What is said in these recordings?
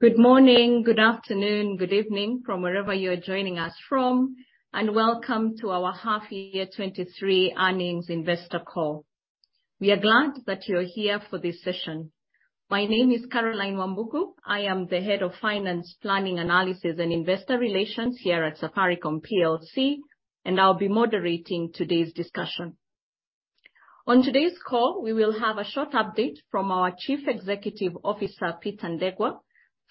Good morning, good afternoon, good evening from wherever you are joining us from, and welcome to our half year 2023 earnings investor call. We are glad that you are here for this session. My name is Caroline Wambugu. I am the Head of Investor Relations and Financial Planning here at Safaricom PLC, and I'll be moderating today's discussion. On today's call, we will have a short update from our Chief Executive Officer, Peter Ndegwa,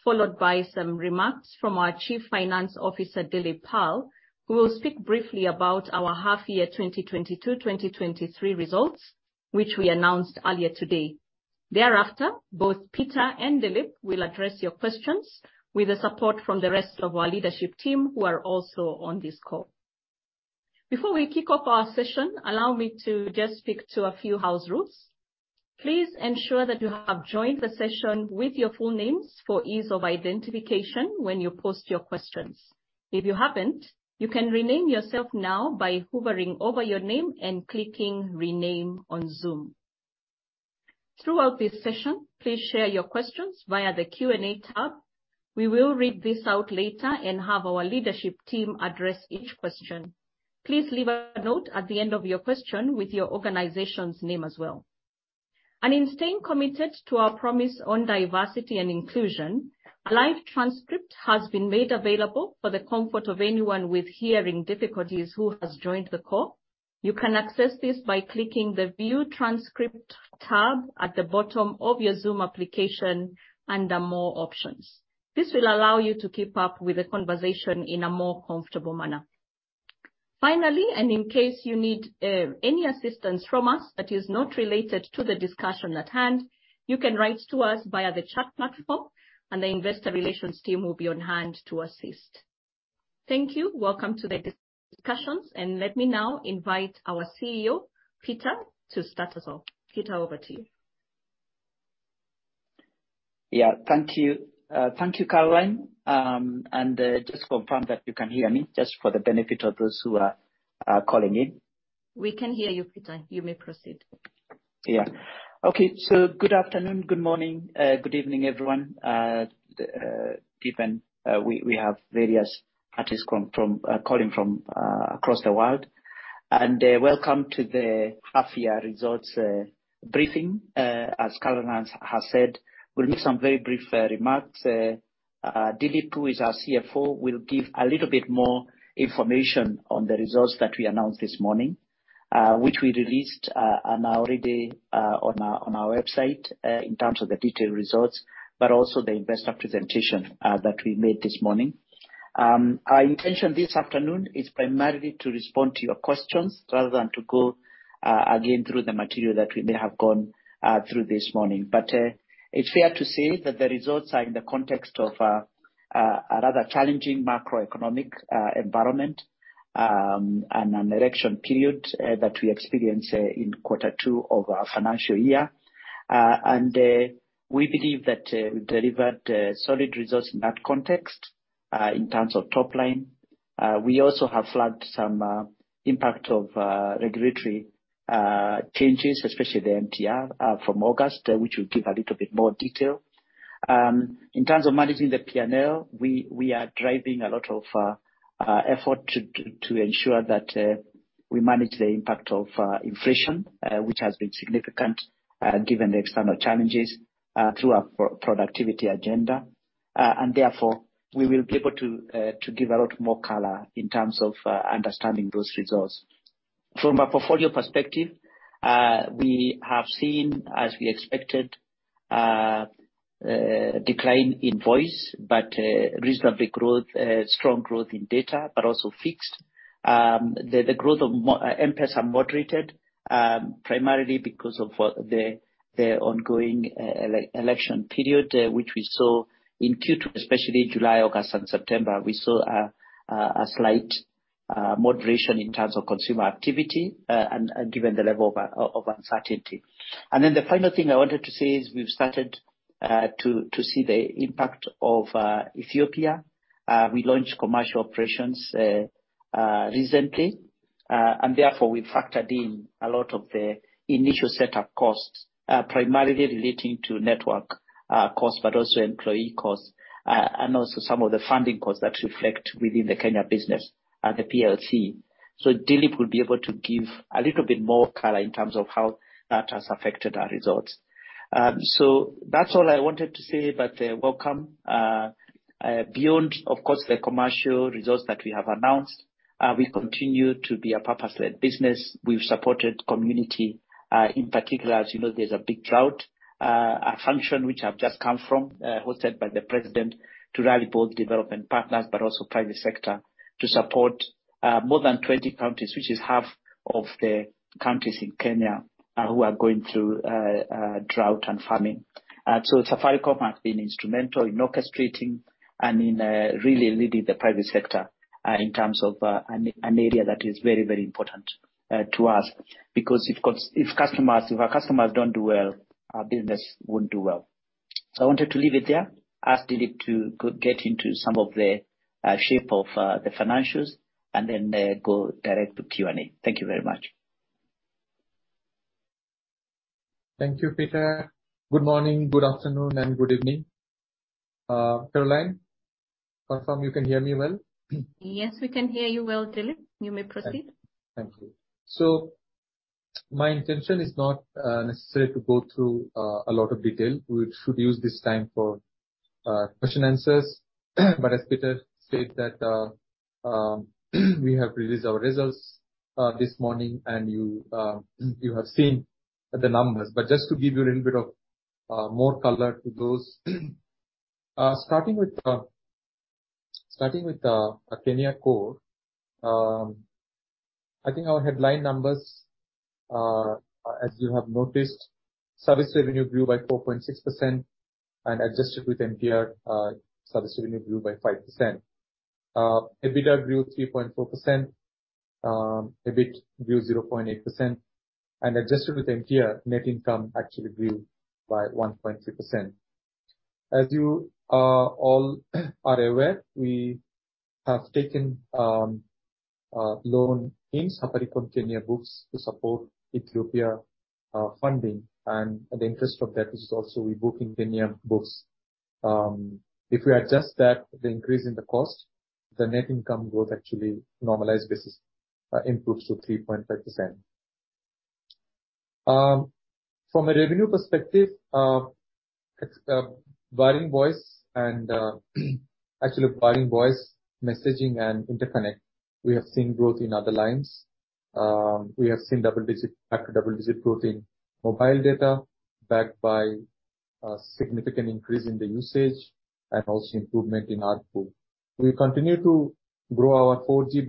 followed by some remarks from our Chief Finance Officer, Dilip Pal, who will speak briefly about our half year 2022/2023 results, which we announced earlier today. Thereafter, both Peter and Dilip will address your questions with the support from the rest of our leadership team who are also on this call. Before we kick off our session, allow me to just speak to a few house rules. Please ensure that you have joined the session with your full names for ease of identification when you post your questions. If you haven't, you can rename yourself now by hovering over your name and clicking Rename on Zoom. Throughout this session, please share your questions via the Q&A tab. We will read this out later and have our leadership team address each question. Please leave a note at the end of your question with your organization's name as well. In staying committed to our promise on diversity and inclusion, a live transcript has been made available for the comfort of anyone with hearing difficulties who has joined the call. You can access this by clicking the View Transcript tab at the bottom of your Zoom application under More Options. This will allow you to keep up with the conversation in a more comfortable manner. Finally, and in case you need any assistance from us that is not related to the discussion at hand, you can write to us via the chat platform, and the investor relations team will be on hand to assist. Thank you. Welcome to the discussions, and let me now invite our CEO, Peter, to start us off. Peter, over to you. Yeah. Thank you. Thank you, Caroline. Just confirm that you can hear me just for the benefit of those who are calling in. We can hear you, Peter. You may proceed. Yeah. Okay. Good afternoon, good morning, good evening, everyone. Given we have various parties calling from across the world, welcome to the half year results briefing. As Caroline has said, we'll make some very brief remarks. Dilip, who is our CFO, will give a little bit more information on the results that we announced this morning, which we released and are already on our website in terms of the detailed results, but also the investor presentation that we made this morning. Our intention this afternoon is primarily to respond to your questions rather than to go again through the material that we may have gone through this morning. It's fair to say that the results are in the context of a rather challenging macroeconomic environment and an election period that we experience in quarter two of our financial year. We believe that we delivered solid results in that context in terms of top line. We also have flagged some impact of regulatory changes, especially the MTR from August, which will give a little bit more detail. In terms of managing the P&L, we are driving a lot of effort to ensure that we manage the impact of inflation, which has been significant given the external challenges through our pro-productivity agenda. Therefore, we will be able to give a lot more color in terms of understanding those results. From a portfolio perspective, we have seen, as we expected, decline in voice, but reasonable growth, strong growth in data, but also fixed. The growth of M-PESA moderated, primarily because of the ongoing election period, which we saw in Q2, especially July, August and September. We saw a slight moderation in terms of consumer activity, and given the level of uncertainty. The final thing I wanted to say is we've started to see the impact of Ethiopia. We launched commercial operations recently. Therefore, we factored in a lot of the initial startup costs, primarily relating to network costs, but also employee costs, and also some of the funding costs that reflect within the Kenya business at the PLC. Dilip will be able to give a little bit more color in terms of how that has affected our results. That's all I wanted to say, but welcome. Beyond, of course, the commercial results that we have announced, we continue to be a purpose-led business. We've supported community, in particular, as you know, there's a big drought, a function which I've just come from, hosted by the president to rally both development partners but also private sector to support, more than 20 counties, which is half of the counties in Kenya, who are going through, drought and famine. Safaricom has been instrumental in orchestrating and in, really leading the private sector, in terms of, an area that is very, very important, to us. Because if our customers don't do well, our business won't do well. I wanted to leave it there. Ask Dilip to go get into some of the, shape of, the financials and then, go direct to Q&A. Thank you very much. Thank you, Peter. Good morning, good afternoon, and good evening. Caroline, confirm you can hear me well? Yes, we can hear you well, Dilip Pal. You may proceed. Thank you. My intention is not necessary to go through a lot of detail. We should use this time for question answers. As Peter stated that, we have released our results this morning, and you have seen the numbers. Just to give you a little bit of more color to those. Starting with Kenya Core, I think our headline numbers, as you have noticed, service revenue grew by 4.6% and adjusted with MTR, service revenue grew by 5%. EBITDA grew 3.4%. EBIT grew 0.8%. Adjusted with MTR, net income actually grew by 1.3%. As you all are aware, we have taken a loan in Safaricom Kenya books to support Ethiopia funding, and the interest of that is also rebooking Kenya books. If we adjust that, the increase in the cost, the net income growth actually normalized basis improves to 3.5%. From a revenue perspective, it's barring voice, messaging, and interconnect, we have seen growth in other lines. We have seen double-digit growth in mobile data, backed by a significant increase in the usage and also improvement in ARPU. We continue to grow our 4G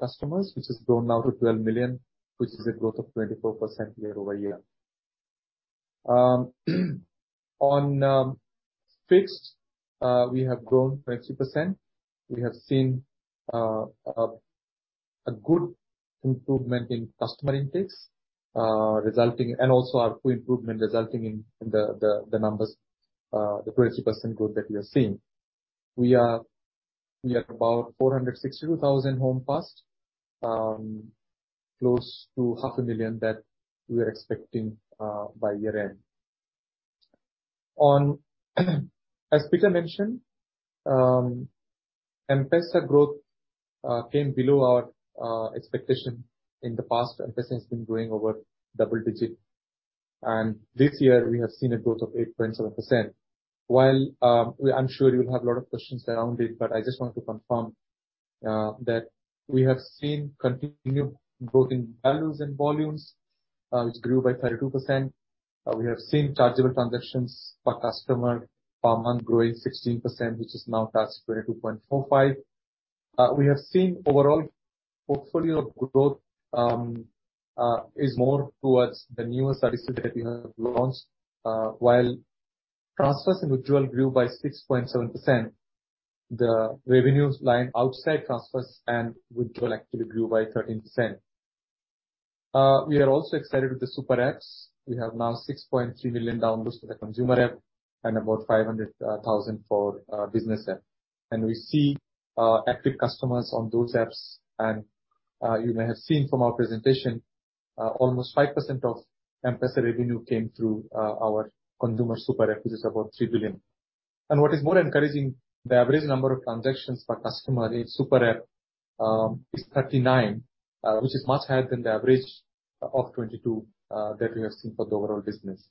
customer base, which has grown now to 12 million, which is a growth of 24% year-over-year. On fixed, we have grown 20%. We have seen a good improvement in customer intakes and also ARPU improvement resulting in the numbers, the 20% growth that we are seeing. We are at about 462,000 home passed, close to half a million that we are expecting by year end. On as Peter mentioned, M-PESA growth came below our expectation. In the past, M-PESA has been growing over double digit, and this year we have seen a growth of 8.7%. While, I'm sure you'll have a lot of questions around it, but I just want to confirm that we have seen continued growth in values and volumes, which grew by 32%. We have seen chargeable transactions per customer per month growing 16%, which is now at 22.45. We have seen overall portfolio growth is more towards the newer services that we have launched. While transfers and withdrawal grew by 6.7%, the revenues lying outside transfers and withdrawal actually grew by 13%. We are also excited with the super apps. We have now 6.3 million downloads for the consumer app and about 500,000 for our business app. We see active customers on those apps. You may have seen from our presentation almost 5% of M-PESA revenue came through our consumer super app, which is about 3 billion. What is more encouraging, the average number of transactions per customer in super app is 39, which is much higher than the average of 22 that we have seen for the overall business.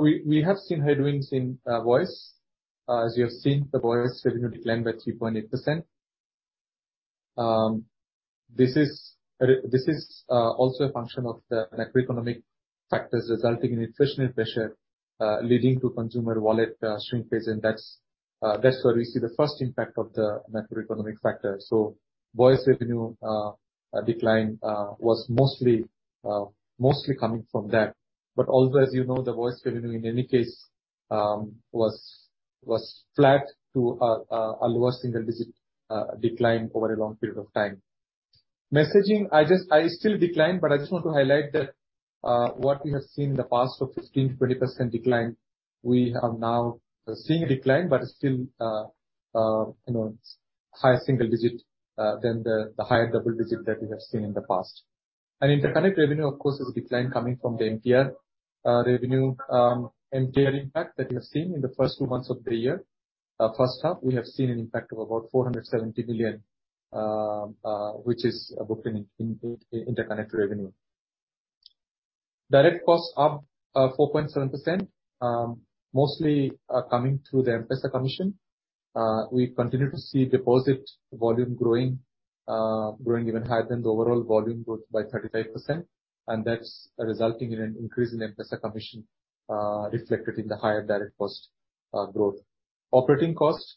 We have seen headwinds in voice. As you have seen, the voice revenue declined by 3.8%. This is also a function of the macroeconomic factors resulting in inflationary pressure, leading to consumer wallet shrinkage. That's where we see the first impact of the macroeconomic factor. Voice revenue decline was mostly coming from that. Also as you know, the voice revenue in any case was flat to a lower single digit decline over a long period of time. Messaging still declined, but I just want to highlight that what we have seen in the past of 15%-20% decline, we have now seen a decline, but it's still, you know, higher single digit than the higher double digit that we have seen in the past. Interconnect revenue, of course, is a decline coming from the MTR revenue. MTR impact that we have seen in the first two months of the year. First half, we have seen an impact of about 470 million, which is booked in interconnect revenue. Direct costs up 4.7%, mostly coming through the M-PESA commission. We continue to see deposit volume growing even higher than the overall volume growth by 35%, and that's resulting in an increase in M-PESA commission, reflected in the higher direct cost growth. Operating costs.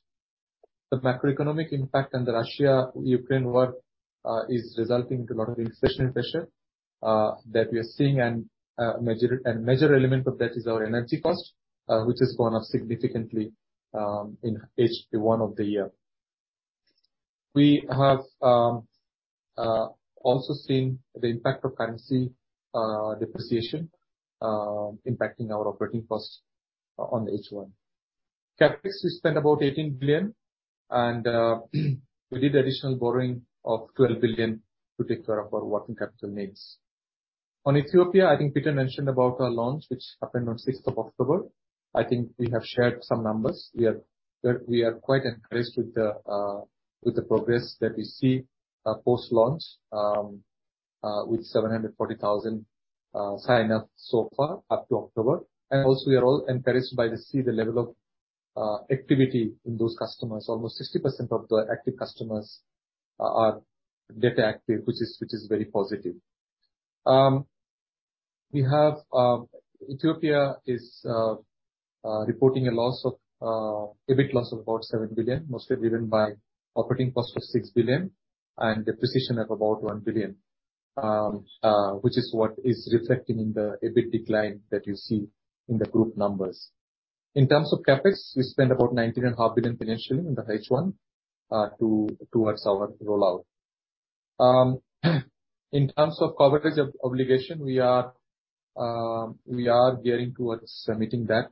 The macroeconomic impact and the Russia-Ukraine war is resulting in a lot of inflationary pressure that we are seeing and major element of that is our energy cost which has gone up significantly in H1 of the year. We have also seen the impact of currency depreciation impacting our operating costs in the H1. CapEx, we spent about 18 billion, and we did additional borrowing of 12 billion to take care of our working capital needs. On Ethiopia, I think Peter mentioned about our launch, which happened on sixth of October. I think we have shared some numbers. We are quite encouraged with the progress that we see post-launch with 740,000 signups so far up to October. We are all encouraged by the level of activity in those customers. Almost 60% of the active customers are data active, which is very positive. Ethiopia is reporting an EBIT loss of about 7 billion, mostly driven by operating costs of 6 billion and depreciation of about 1 billion. Which is what is reflecting in the EBIT decline that you see in the group numbers. In terms of CapEx, we spent about 19.5 billion financially in the H1 towards our rollout. In terms of coverage obligation, we are gearing towards submitting that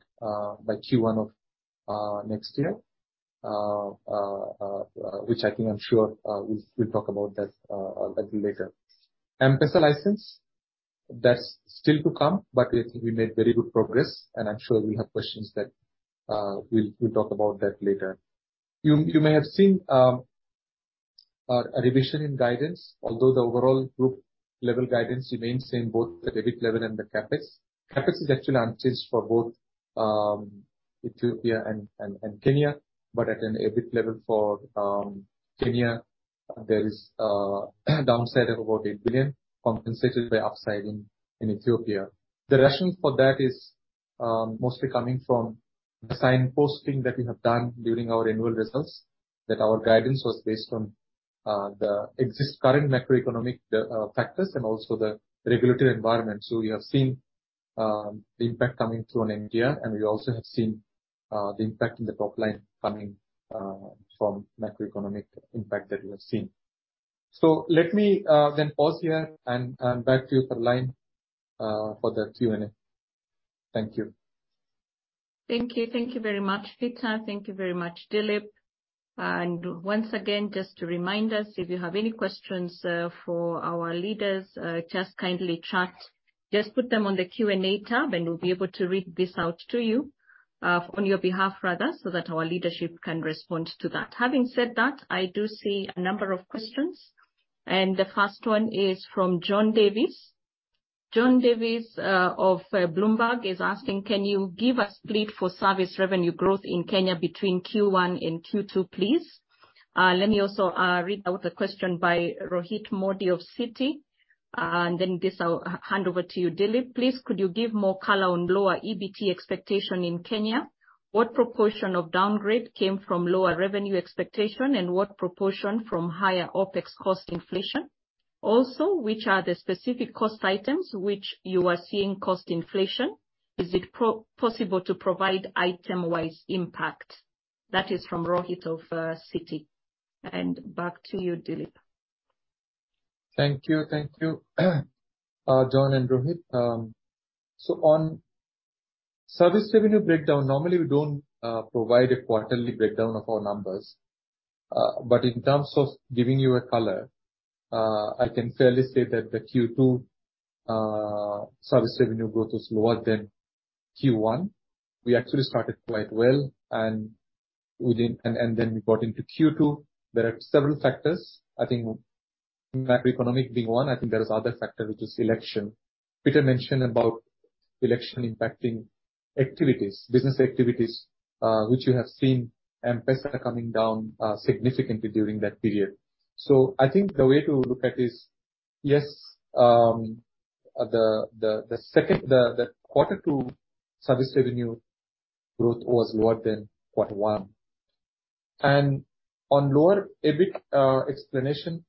by Q1 of next year. I think I'm sure we'll talk about that a little later. M-PESA license, that's still to come, but I think we made very good progress. I'm sure we have questions that we'll talk about that later. You may have seen a revision in guidance, although the overall group level guidance remains same both at the EBIT level and the CapEx. CapEx is actually unchanged for both Ethiopia and Kenya, but at an EBIT level for Kenya, there is a downside of about 8 billion compensated by upside in Ethiopia. The rationale for that is, mostly coming from the signposting that we have done during our annual results, that our guidance was based on, the existing current macroeconomic factors and also the regulatory environment. We have seen the impact coming through on MTR, and we also have seen the impact in the top line coming from macroeconomic impact that we have seen. Let me then pause here and back to you, Caroline, for the Q&A. Thank you. Thank you. Thank you very much, Peter. Thank you very much, Dilip. Once again, just to remind us, if you have any questions, for our leaders, just kindly chat. Just put them on the Q&A tab and we'll be able to read this out to you, on your behalf rather, so that our leadership can respond to that. Having said that, I do see a number of questions, and the first one is from John Davies. John Davies of Bloomberg is asking, "Can you give a split for service revenue growth in Kenya between Q1 and Q2, please?" Let me also read out a question by Rohit Modi of Citi, and then this I'll hand over to you, Dilip. "Please could you give more color on lower EBIT expectation in Kenya? What proportion of downgrade came from lower revenue expectation, and what proportion from higher OpEx cost inflation? Also, which are the specific cost items which you are seeing cost inflation? Is it possible to provide item-wise impact? That is from Rohit of Citi. Back to you, Dilip. Thank you. Thank you, John and Rohit. On service revenue breakdown, normally we don't provide a quarterly breakdown of our numbers. In terms of giving you a color, I can fairly say that the Q2 service revenue growth was lower than Q1. We actually started quite well, and then we got into Q2. There are several factors. I think macroeconomic being one. I think there is other factor, which is election. Peter mentioned about election impacting activities, business activities, which you have seen M-PESA coming down significantly during that period. I think the way to look at is, yes, the second quarter service revenue growth was lower than quarter one. On lower EBIT explanation,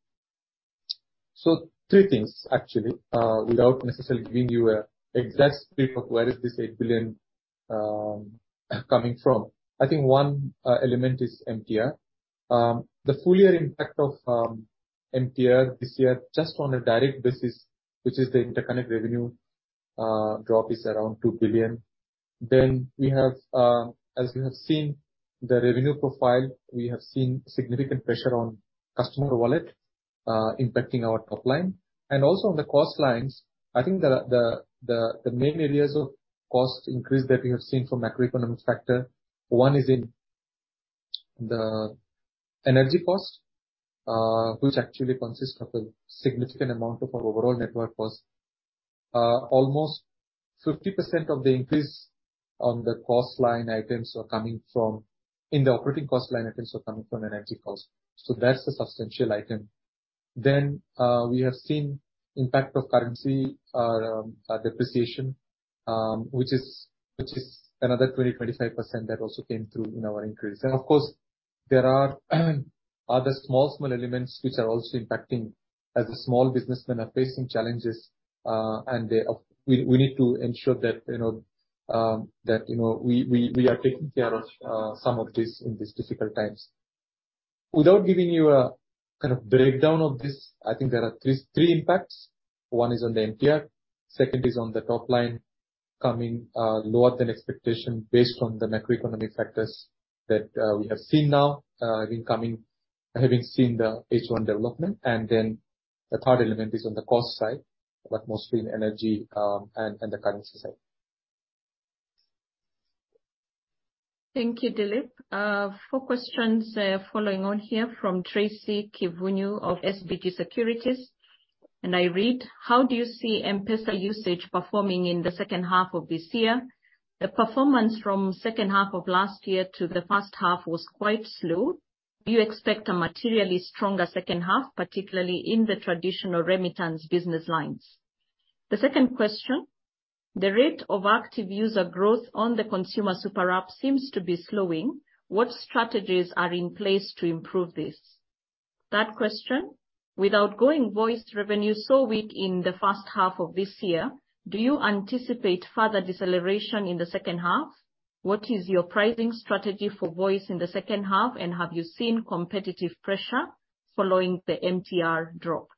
three things actually, without necessarily giving you an exact split of where this 8 billion is coming from. I think one element is MTR. The full year impact of MTR this year just on a direct basis, which is the interconnect revenue drop, is around 2 billion. We have, as you have seen the revenue profile, seen significant pressure on customer wallet impacting our top line. Also on the cost lines, I think the main areas of cost increase that we have seen from macroeconomic factor, one is in the energy cost, which actually consists of a significant amount of our overall network cost. Almost 50% of the increase in the operating cost line items are coming from energy costs. So that's a substantial item. Then, we have seen impact of currency depreciation, which is another 20%-25% that also came through in our increase. Of course, there are other small elements which are also impacting as the small businessmen are facing challenges, and we need to ensure that, you know, we are taking care of some of this in these difficult times. Without giving you a kind of breakdown of this, I think there are three impacts. One is on the MTR. Second is on the top line coming lower than expectation based on the macroeconomic factors that we have seen now, having seen the H1 development. Then the third element is on the cost side, but mostly in energy, and the currency side. Thank you, Dilip Pal. Four questions following on here from Tracy Kivunyu of SBG Securities. I read: How do you see M-PESA usage performing in the second half of this year? The performance from second half of last year to the first half was quite slow. Do you expect a materially stronger second half, particularly in the traditional remittance business lines? The second question: The rate of active user growth on the consumer Super App seems to be slowing. What strategies are in place to improve this? Third question: With outgoing voice revenue so weak in the first half of this year, do you anticipate further deceleration in the second half? What is your pricing strategy for voice in the second half, and have you seen competitive pressure following the MTR drop?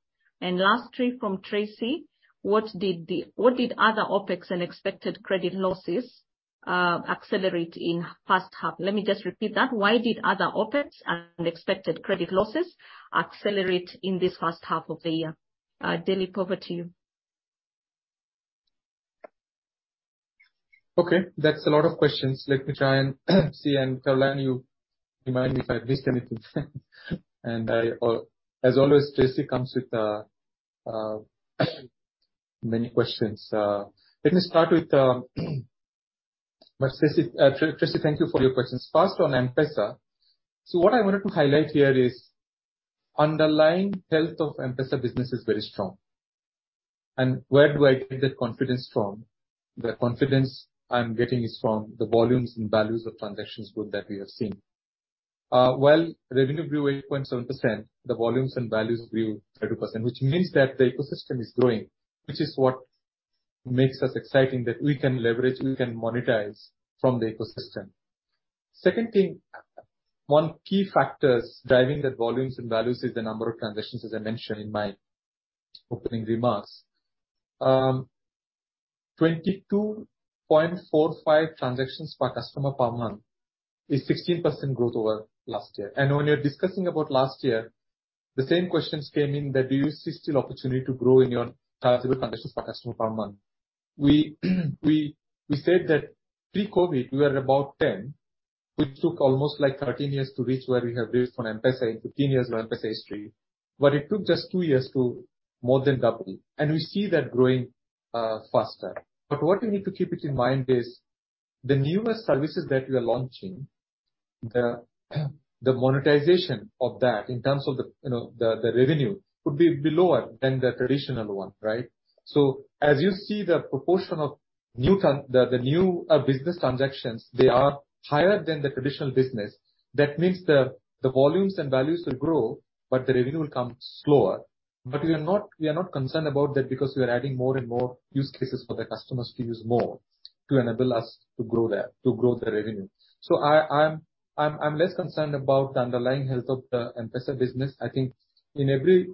And lastly, from Tracy, what did the did other OpEx and expected credit losses accelerate in this first half. Let me just repeat that. Why did other OpEx and expected credit losses accelerate in this first half of the year? Dilip, over to you. Okay, that's a lot of questions. Let me try and see. Caroline, you remind me if I've missed anything. I, as always, Tracy comes with many questions. Let me start with Tracy, thank you for your questions. First on M-PESA. What I wanted to highlight here is underlying health of M-PESA business is very strong. Where do I get that confidence from? The confidence I'm getting is from the volumes and values of transactions growth that we have seen. While revenue grew 8.7%, the volumes and values grew 10%, which means that the ecosystem is growing, which is what makes us exciting, that we can leverage, we can monetize from the ecosystem. Second thing, one key factors driving the volumes and values is the number of transactions, as I mentioned in my opening remarks. 22.45 transactions per customer per month is 16% growth over last year. When we are discussing about last year, the same questions came in that do you see still opportunity to grow in your transactions per customer per month? We said that pre-COVID we were about 10. We took almost like 13 years to reach where we have built on M-PESA, in 15 years of M-PESA history, but it took just 2 years to more than double. We see that growing faster. What you need to keep it in mind is the newer services that we are launching, the monetization of that in terms of the revenue could be below it than the traditional one, right? As you see the proportion of new business transactions, they are higher than the traditional business. That means the volumes and values will grow, but the revenue will come slower. We are not concerned about that because we are adding more and more use cases for the customers to use more to enable us to grow the revenue. I'm less concerned about the underlying health of the M-PESA business. I think in every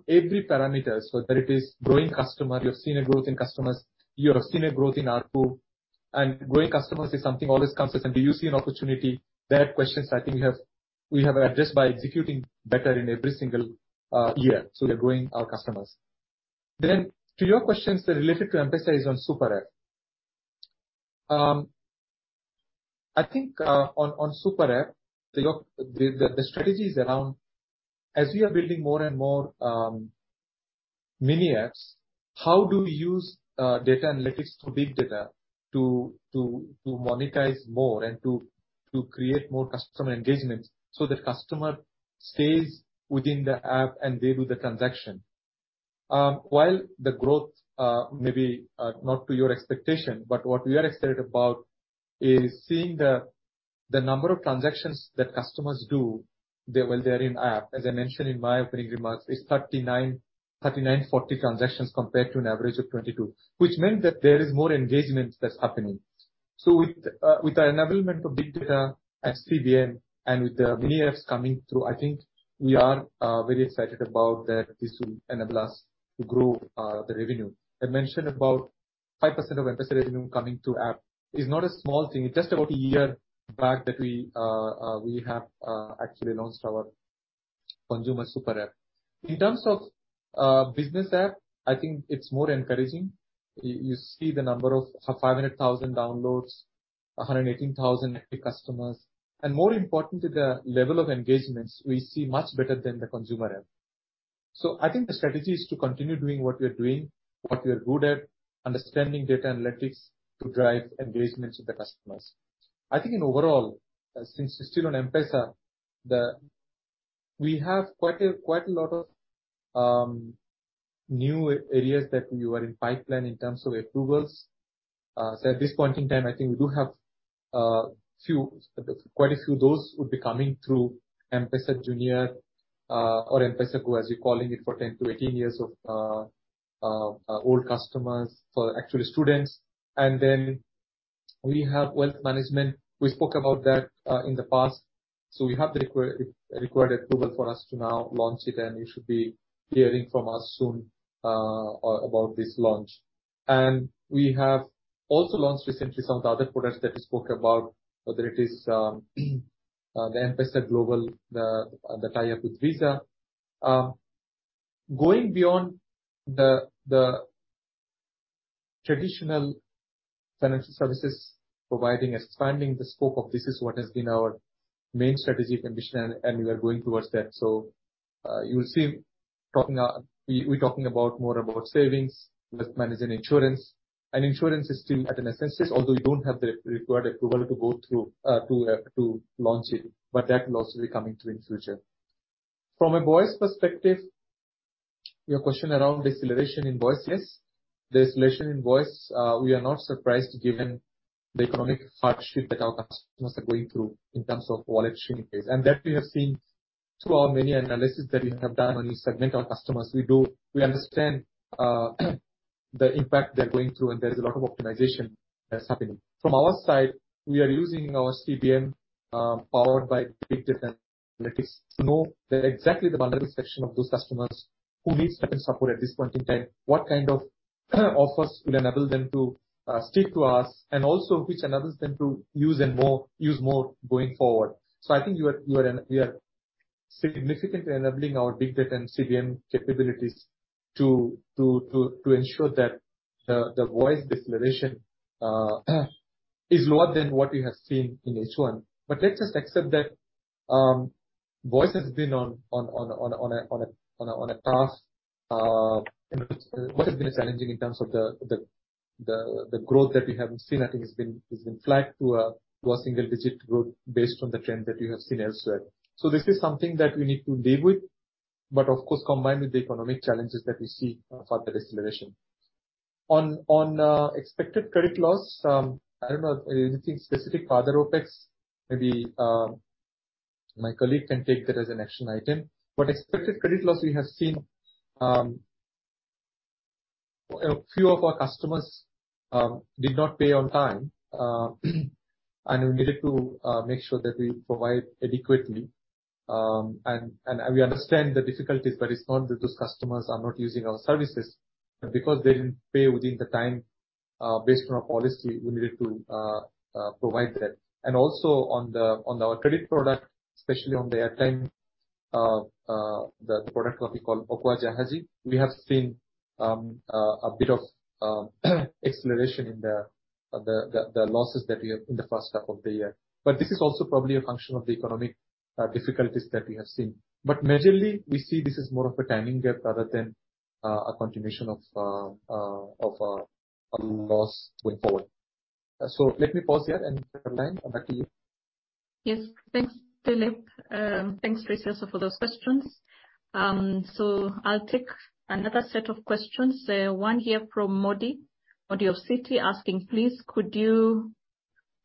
parameter, so whether it is growing customer, you've seen a growth in customers, you have seen a growth in ARPU. Growing customers is something always consistent. Do you see an opportunity? That question I think we have addressed by executing better in every single year. We are growing our customers. To your questions that are related to M-PESA on Super App. I think on Super App, the strategy is around as we are building more and more mini apps, how do we use data analytics to big data to monetize more and to create more customer engagements so that customer stays within the app and they do the transaction? While the growth may be not to your expectation, but what we are excited about is seeing the number of transactions that customers do while they're in app. As I mentioned in my opening remarks, it's 39-40 transactions compared to an average of 22. Which means that there is more engagement that's happening. With the enablement of big data at CBN and with the mini apps coming through, I think we are very excited about that this will enable us to grow the revenue. I mentioned about 5% of M-PESA revenue coming to app. It's not a small thing. It's just about a year back that we have actually launched our consumer Super App. In terms of business app, I think it's more encouraging. You see the number of 500,000 downloads, 118,000 active customers, and more importantly, the level of engagements we see much better than the consumer app. I think the strategy is to continue doing what we are doing, what we are good at, understanding data analytics to drive engagements with the customers. I think overall, since we're still on M-PESA, we have quite a lot of new areas that we were in pipeline in terms of approvals. At this point in time, I think we do have quite a few of those would be coming through M-PESA Junior, or M-PESA Go, as we're calling it, for 10- to 18-year-old customers, actually for students. We have wealth management. We spoke about that in the past. We have the required approval for us to now launch it, and you should be hearing from us soon, about this launch. We have also launched recently some of the other products that we spoke about, whether it is the M-PESA GlobalPay, the tie-up with Visa. Going beyond the traditional financial services, providing expanding the scope of business what has been our main strategy condition, we are going towards that. You'll see us talking about more about savings, wealth management, insurance. Insurance is still at a nascent stage, although we don't have the required approval to go through to launch it, but that will also be coming too in future. From a voice perspective, your question around deceleration in voice. Yes, deceleration in voice, we are not surprised given the economic hardship that our customers are going through in terms of wallet shrinkage. That we have seen through our many analysis that we have done when we segment our customers. We understand the impact they're going through, and there's a lot of optimization that's happening. From our side, we are using our CBM, powered by big data analytics to know exactly the vulnerable section of those customers who needs certain support at this point in time, what kind of offers will enable them to stick to us, and also which enables them to use more going forward. I think you are significantly enabling our big data and CBM capabilities to ensure that the voice deceleration is lower than what we have seen in H1. Let's just accept that voice has been on a path and what has been challenging in terms of the growth that we haven't seen I think has been flat to a single-digit growth based on the trend that we have seen elsewhere. This is something that we need to live with, but of course combined with the economic challenges that we see for the deceleration. On expected credit loss, I don't know if anything specific for other OpEx. Maybe, my colleague can take that as an action item. Expected credit loss we have seen, a few of our customers, did not pay on time, and we needed to make sure that we provide adequately. We understand the difficulties, but it's not that those customers are not using our services. Because they didn't pay within the time, based on our policy, we needed to provide that. Also on our credit product, especially on the airtime, the product that we call Okoa Jahazi, we have seen a bit of acceleration in the losses that we have in the first half of the year. This is also probably a function of the economic difficulties that we have seen. Majorly, we see this is more of a timing gap rather than a continuation of loss going forward. Let me pause here, and Caroline, back to you. Yes. Thanks, Dilip. Thanks, Tracy for those questions. I'll take another set of questions. One here from Rohit Modi. Rohit Modi of Citi asking: Please could you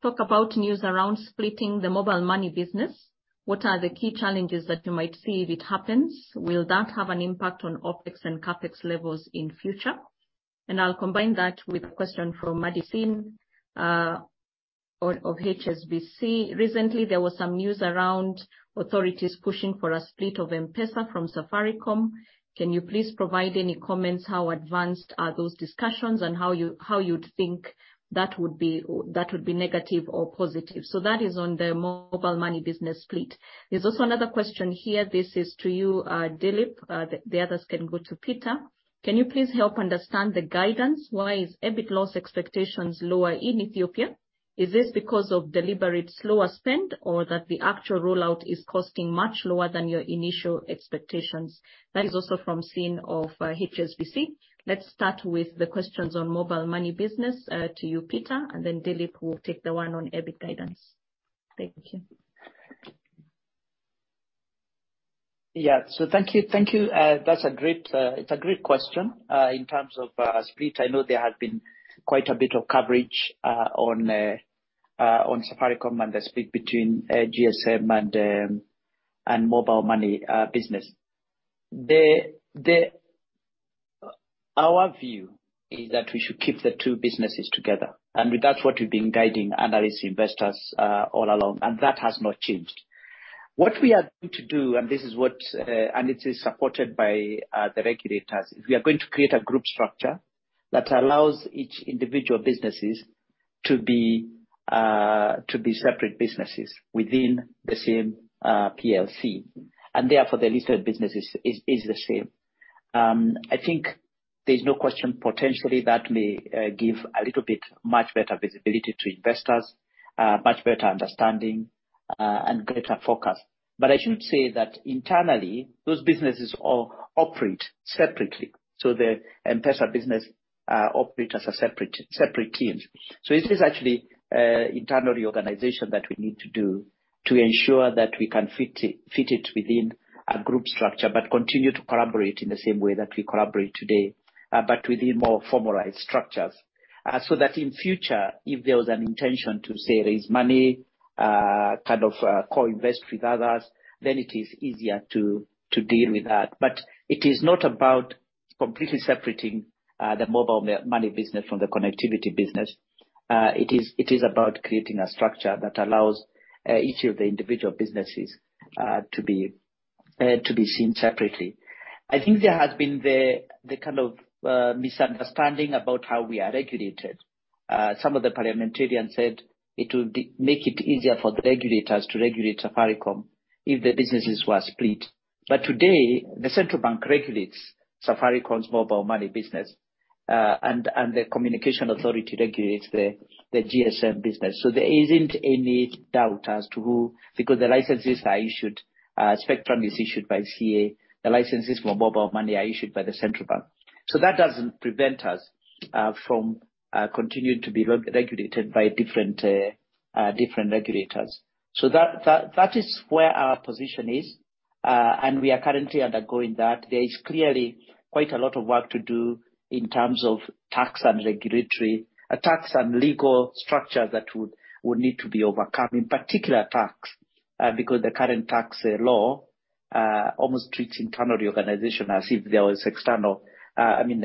talk about news around splitting the mobile money business? What are the key challenges that you might see if it happens? Will that have an impact on OpEx and CapEx levels in future? And I'll combine that with a question from Madhvendra Singh of HSBC: Recently, there was some news around authorities pushing for a split of M-PESA from Safaricom. Can you please provide any comments how advanced are those discussions and how you'd think that would be negative or positive? That is on the mobile money business split. There's also another question here. This is to you, Dilip. The others can go to Peter. Can you please help understand the guidance? Why is EBIT loss expectations lower in Ethiopia? Is this because of deliberate slower spend or that the actual rollout is costing much lower than your initial expectations? That is also from Singh of HSBC. Let's start with the questions on mobile money business to you, Peter, and then Dilip will take the one on EBIT guidance. Thank you. Thank you. That's a great question. In terms of split, I know there has been quite a bit of coverage on Safaricom and the split between GSM and mobile money business. Our view is that we should keep the two businesses together, and that's what we've been guiding analysts, investors all along, and that has not changed. What we are going to do, and this is what, and it is supported by the regulators, is we are going to create a group structure that allows each individual businesses to be separate businesses within the same PLC. Therefore, the listed business is the same. I think there's no question potentially that may give a little bit much better visibility to investors, much better understanding, and greater focus. I should say that internally, those businesses all operate separately. The M-PESA business operate as separate teams. It is actually internal reorganization that we need to do to ensure that we can fit it within a group structure, but continue to collaborate in the same way that we collaborate today, but within more formalized structures. That in future, if there was an intention to, say, raise money, kind of, co-invest with others, then it is easier to deal with that. It is not about- Completely separating the mobile money business from the connectivity business. It is about creating a structure that allows each of the individual businesses to be seen separately. I think there has been the kind of misunderstanding about how we are regulated. Some of the parliamentarians said it will make it easier for the regulators to regulate Safaricom if the businesses were split. Today, the Central Bank regulates Safaricom's mobile money business. The Communications Authority regulates the GSM business. There isn't any doubt as to who, because the licenses are issued, spectrum is issued by CA. The licenses for mobile money are issued by the Central Bank. That doesn't prevent us from continuing to be regulated by different regulators. That is where our position is, and we are currently undergoing that. There is clearly quite a lot of work to do in terms of tax and regulatory tax and legal structure that would need to be overcome. In particular tax, because the current tax law almost treats internal reorganization as if there was external, I mean,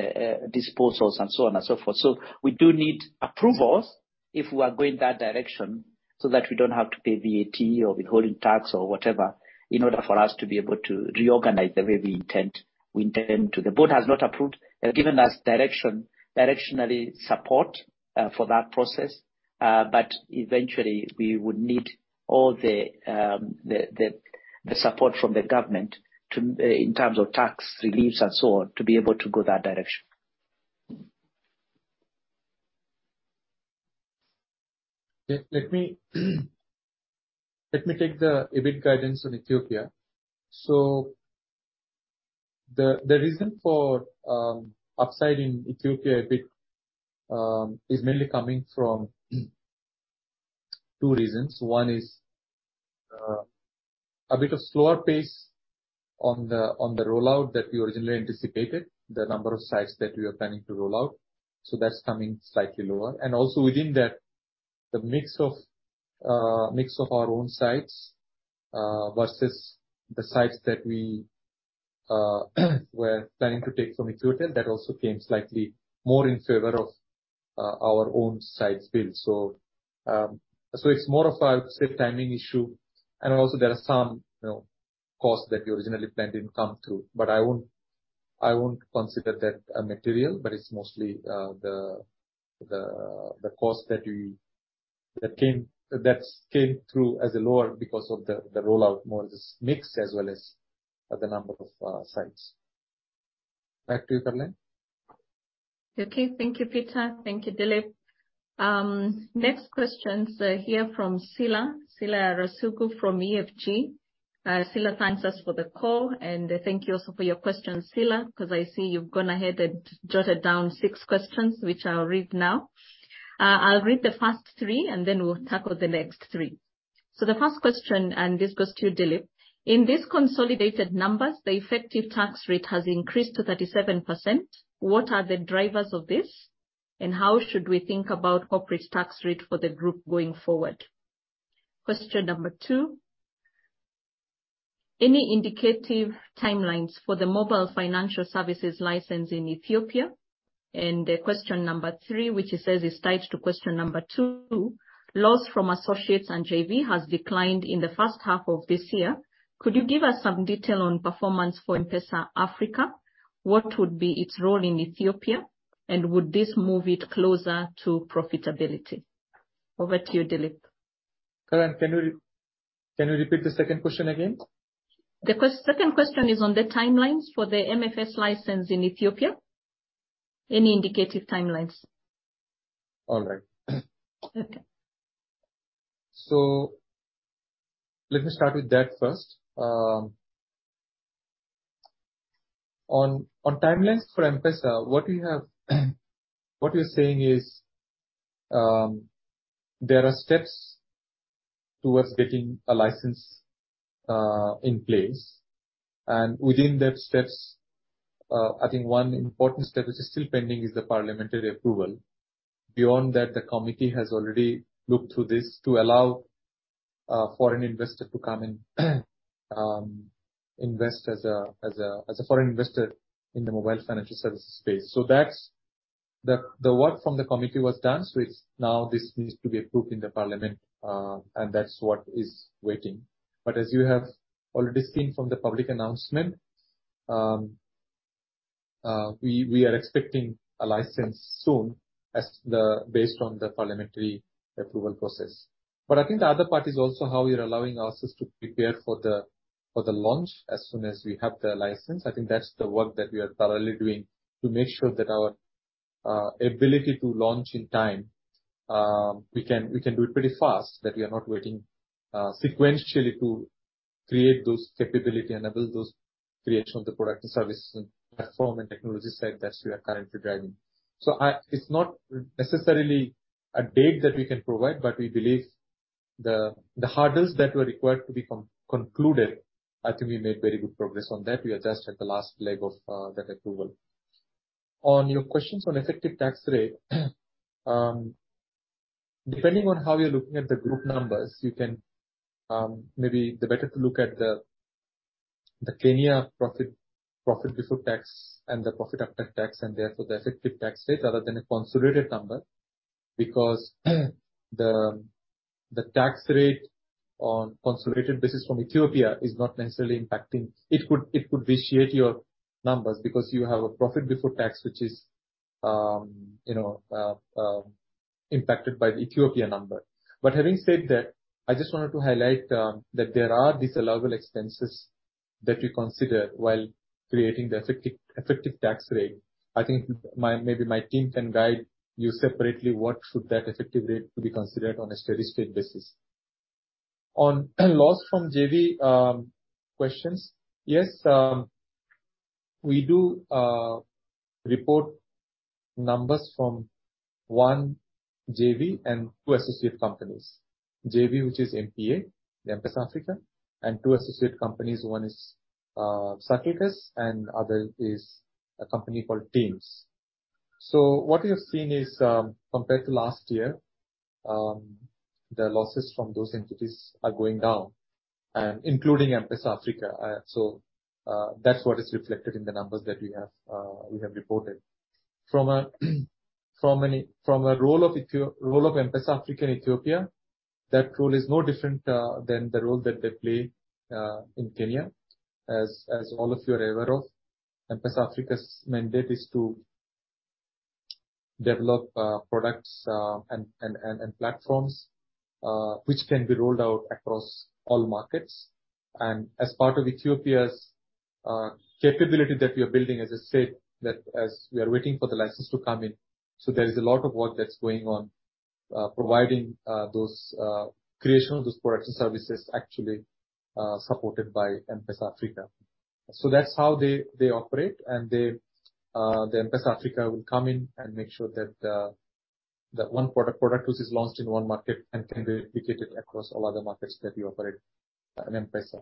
disposals and so on and so forth. We do need approvals if we are going that direction, so that we don't have to pay VAT or withholding tax or whatever, in order for us to be able to reorganize the way we intend to. The board has not approved. They've given us directional support for that process. Eventually we would need all the support from the government, in terms of tax reliefs and so on, to be able to go that direction. Let me take the EBIT guidance on Ethiopia. The reason for upside in Ethiopia EBIT is mainly coming from two reasons. One is a bit of slower pace on the rollout that we originally anticipated, the number of sites that we are planning to roll out. That's coming slightly lower. Also within that, the mix of our own sites versus the sites that we were planning to take Ethio telecom, that also came slightly more in favor of our own sites build. It's more of, I would say, timing issue, and also there are some, you know, costs that we originally planned didn't come through. I won't consider that material, but it's mostly the cost that we. That came through as lower because of the rollout models mix as well as the number of sites. Back to you, Caroline. Okay. Thank you, Peter. Thank you, Dilip. Next questions are here from Silha. Silha Rasugu from EFG Hermes. Silha thanks us for the call, and thank you also for your questions, Silha, 'cause I see you've gone ahead and jotted down six questions, which I'll read now. I'll read the first three, and then we'll tackle the next three. The first question, and this goes to Dilip. In these consolidated numbers, the effective tax rate has increased to 37%. What are the drivers of this, and how should we think about corporate tax rate for the group going forward? Question number two: Any indicative timelines for the mobile financial services license in Ethiopia? Question number three, which it says is tied to question number two: Loss from associates and JV has declined in the first half of this year. Could you give us some detail on performance for M-PESA Africa? What would be its role in Ethiopia, and would this move it closer to profitability? Over to you, Dilip. Caroline, can you repeat the second question again? The second question is on the timelines for the MFS license in Ethiopia. Any indicative timelines? All right. Okay. Let me start with that first. On timelines for M-PESA, what we're saying is there are steps towards getting a license in place, and within those steps, I think one important step which is still pending is the parliamentary approval. Beyond that, the committee has already looked through this to allow a foreign investor to come and invest as a foreign investor in the mobile financial services space. That's the work from the committee was done, now this needs to be approved in the parliament, and that's what is waiting. As you have already seen from the public announcement, we are expecting a license soon based on the parliamentary approval process. I think the other part is also how we are allowing ourselves to prepare for the launch as soon as we have the license. I think that's the work that we are thoroughly doing to make sure that our ability to launch in time, we can do it pretty fast, that we are not waiting sequentially to create those capability and build those creation of the product and services and platform and technology side that we are currently driving. It's not necessarily a date that we can provide, but we believe the hurdles that were required to be concluded. I think we made very good progress on that. We are just at the last leg of that approval. On your questions on effective tax rate, depending on how you're looking at the group numbers, you can maybe the better to look at the Kenya profit before tax and the profit after tax, and therefore the effective tax rate rather than a consolidated number. Because the tax rate on consolidated basis from Ethiopia is not necessarily impacting. It could vitiate your numbers because you have a profit before tax, which is impacted by the Ethiopia number. But having said that, I just wanted to highlight that there are these allowable expenses that we consider while creating the effective tax rate. I think maybe my team can guide you separately what should that effective rate to be considered on a steady-state basis. On losses from JV questions, yes, we do report numbers from one JV and two associate companies. JV, which is MPA, the M-PESA Africa, and two associate companies. One is Circle Gas and other is a company called TEAMS. What you're seeing is, compared to last year, the losses from those entities are going down, and including M-PESA Africa. That's what is reflected in the numbers that we have reported. From a role of M-PESA Africa in Ethiopia, that role is no different than the role that they play in Kenya. As all of you are aware of, M-PESA Africa's mandate is to develop products and platforms which can be rolled out across all markets. As part of Ethiopia's capability that we are building, as I said, that as we are waiting for the license to come in, so there is a lot of work that's going on, providing those creation of those products and services actually, supported by M-PESA Africa. So that's how they operate. And they, the M-PESA Africa will come in and make sure that that one product which is launched in one market and can be replicated across all other markets that we operate at M-PESA.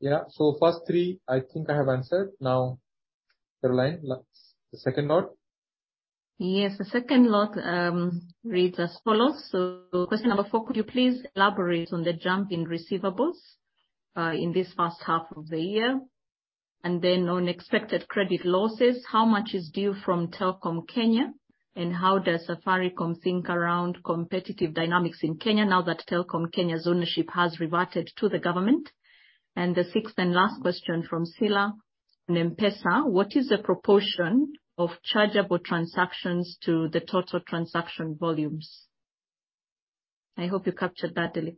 Yeah, so first three I think I have answered. Now, Caroline, last, the second lot. Yes, the second lot reads as follows. Question number 4, could you please elaborate on the jump in receivables in this first half of the year? And then on expected credit losses, how much is due from Telkom Kenya, and how does Safaricom think around competitive dynamics in Kenya now that Telkom Kenya's ownership has reverted to the government? And the sixth and last question from Silha. On M-PESA, what is the proportion of chargeable transactions to the total transaction volumes? I hope you captured that, Dilip.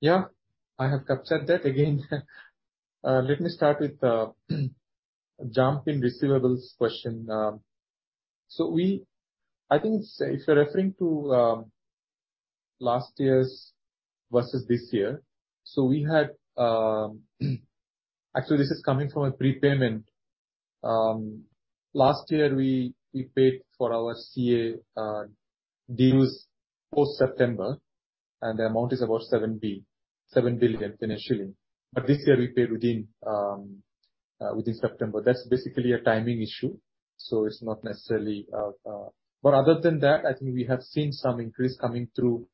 Yeah, I have captured that. Again, let me start with jump in receivables question. I think if you're referring to last year's versus this year, we had actually this is coming from a prepayment. Last year we paid for our CA dues post-September, and the amount is about 7 billion shilling. This year we paid within September. That's basically a timing issue. It's not necessarily. Other than that, I think we have seen some increase coming through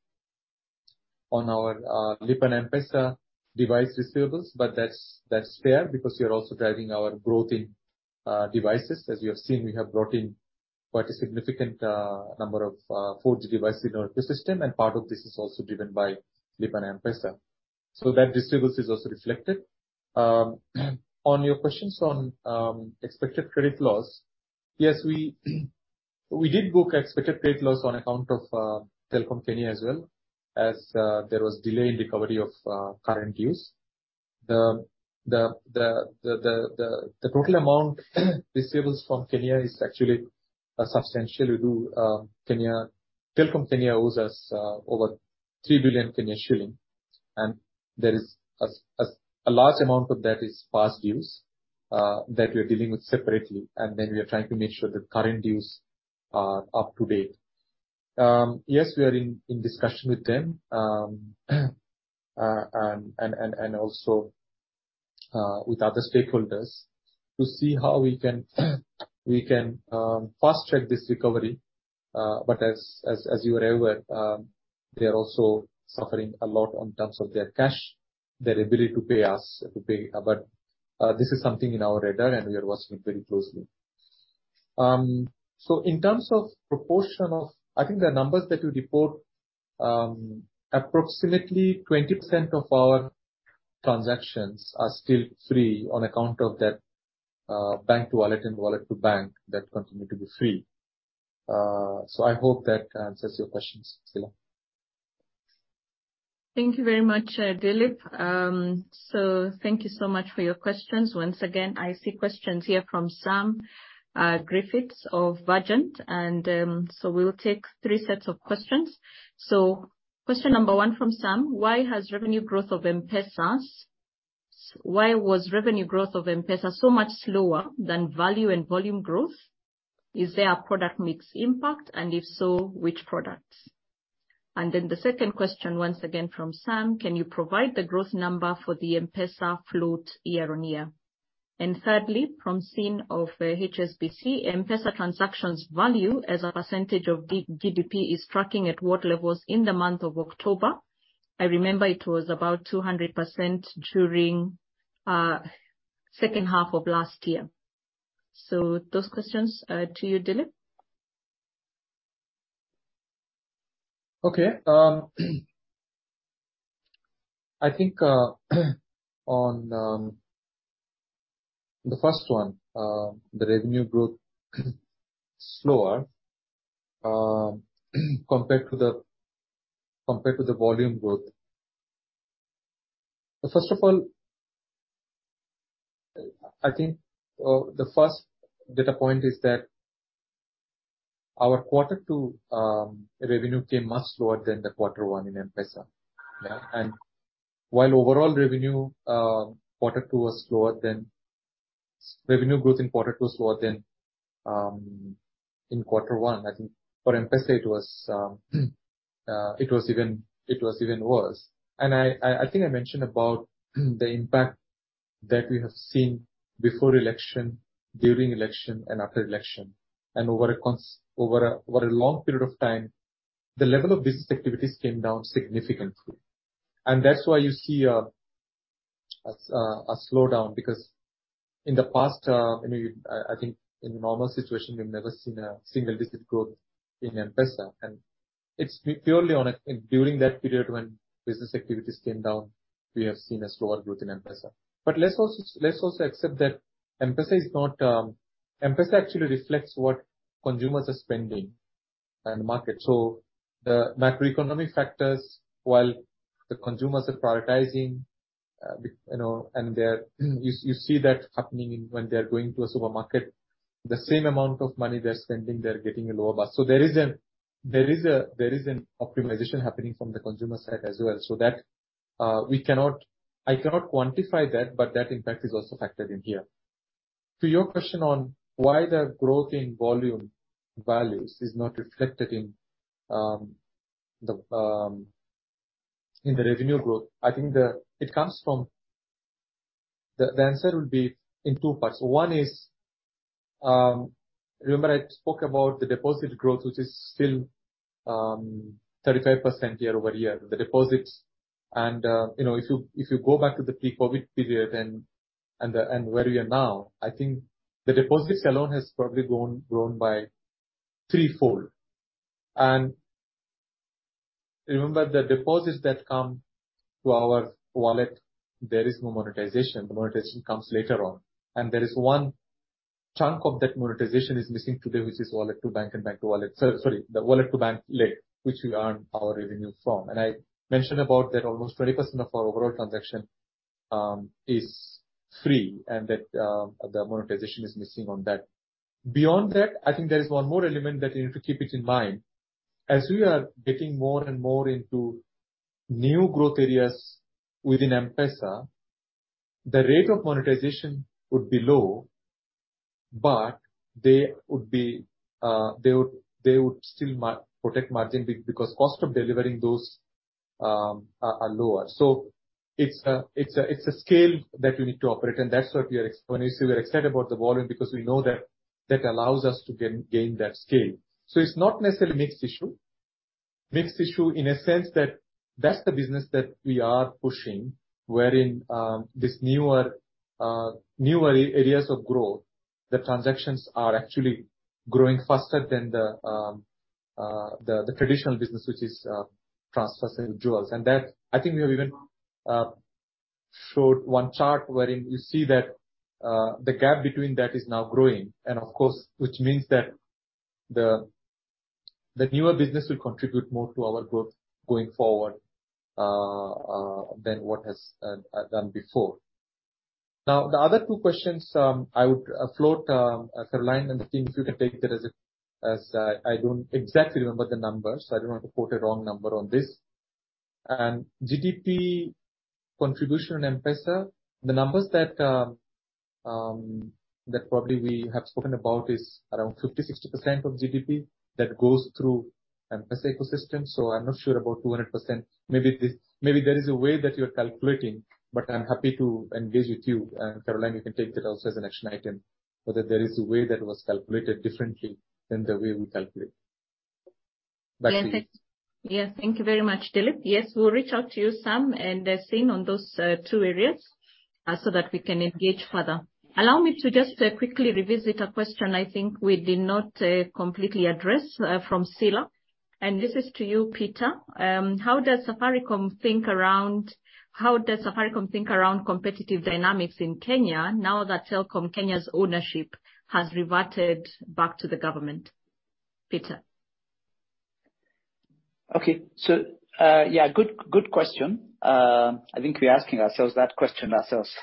on our Lipa na M-PESA device receivables. That's fair because we are also driving our growth in devices. As you have seen, we have brought in quite a significant number of 4G devices in our ecosystem, and part of this is also driven by Lipa na M-PESA. That distribution is also reflected. On your questions on expected credit loss, yes, we did book expected credit loss on account of Telkom Kenya as well as there was delay in recovery of current dues. The total amount receivables from Kenya is actually a substantial. Telkom Kenya owes us over 3 billion shilling, and there is a large amount of that is past dues that we are dealing with separately. Then we are trying to make sure the current dues are up to date. Yes, we are in discussion with them and also with other stakeholders to see how we can fast-track this recovery. As you are aware, they are also suffering a lot in terms of their cash, their ability to pay us. This is something on our radar, and we are watching it very closely. In terms of proportion, I think the numbers that we report, approximately 20% of our transactions are still free on account of that, bank to wallet and wallet to bank that continue to be free. I hope that answers your questions, Silha. Thank you very much, Dilip. So thank you so much for your questions. Once again, I see questions here from Sam Griffiths of Vergent. We'll take three sets of questions. Question number 1 from Sam: Why was revenue growth of M-PESA so much slower than value and volume growth? Is there a product mix impact, and if so, which products? The second question once again from Sam: Can you provide the growth number for the M-PESA float year-on-year? Thirdly, from Madhvendra Singh of HSBC, M-PESA transactions value as a percentage of GDP is tracking at what levels in the month of October? I remember it was about 200% during second half of last year. Those questions to you, Dilip. Okay. I think on the first one, the revenue growth slower compared to the volume growth. First of all, I think the first data point is that our quarter two revenue came much slower than the quarter one in M-PESA. Yeah. Revenue growth in quarter two was slower than in quarter one. I think for M-PESA it was even worse. I think I mentioned about the impact that we have seen before election, during election and after election, and over a long period of time, the level of business activities came down significantly. That's why you see a slowdown because in the past, you know, I think in a normal situation, we've never seen a single digit growth in M-PESA. During that period when business activities came down, we have seen a slower growth in M-PESA. Let's also accept that M-PESA is not M-PESA actually reflects what consumers are spending in the market. The macroeconomic factors, while the consumers are prioritizing, you know, and they're you see that happening when they're going to a supermarket. The same amount of money they're spending, they're getting a lower basket. There is an optimization happening from the consumer side as well. I cannot quantify that, but that impact is also factored in here. To your question on why the growth in volume values is not reflected in the revenue growth, I think the answer will be in two parts. One is, remember I spoke about the deposit growth, which is still 35% year-over-year. The deposits and, you know, if you go back to the pre-COVID period and where we are now, I think the deposits alone has probably grown by threefold. Remember the deposits that come to our wallet, there is no monetization. The monetization comes later on. There is one chunk of that monetization is missing today, which is wallet to bank and bank to wallet. Sorry, the wallet to bank leg, which we earn our revenue from. I mentioned about that almost 20% of our overall transaction is free and that the monetization is missing on that. Beyond that, I think there is one more element that you need to keep it in mind. As we are getting more and more into new growth areas within M-PESA, the rate of monetization would be low, but they would still protect margin because cost of delivering those are lower. It's a scale that we need to operate, and that's why when we say we're excited about the volume, because we know that that allows us to gain that scale. It's not necessarily mixed issue. Mixed issue in a sense that that's the business that we are pushing, wherein this newer areas of growth, the transactions are actually growing faster than the traditional business, which is transfers and withdrawals. That, I think we have even showed one chart wherein you see that the gap between that is now growing. Of course, which means that the newer business will contribute more to our growth going forward than before. Now, the other two questions, I would float Caroline and the team, if you can take that as a. I don't exactly remember the numbers. I don't want to quote a wrong number on this. GDP contribution on M-PESA. The numbers that probably we have spoken about is around 50-60% of GDP that goes through M-PESA ecosystem. I'm not sure about 200%. Maybe this, maybe there is a way that you're calculating, but I'm happy to engage with you. Caroline, you can take that also as an action item so that there is a way that was calculated differently than the way we calculate. Back to you. Thank you very much, Dilip. Yes, we'll reach out to you, Sam, and Madhvendra Singh on those two areas so that we can engage further. Allow me to just quickly revisit a question I think we did not completely address from Silha Rasugu. This is to you, Peter. How does Safaricom think around competitive dynamics in Kenya now that Telkom Kenya's ownership has reverted back to the government? Peter. Okay. Yeah, good question. I think we're asking ourselves that question ourselves.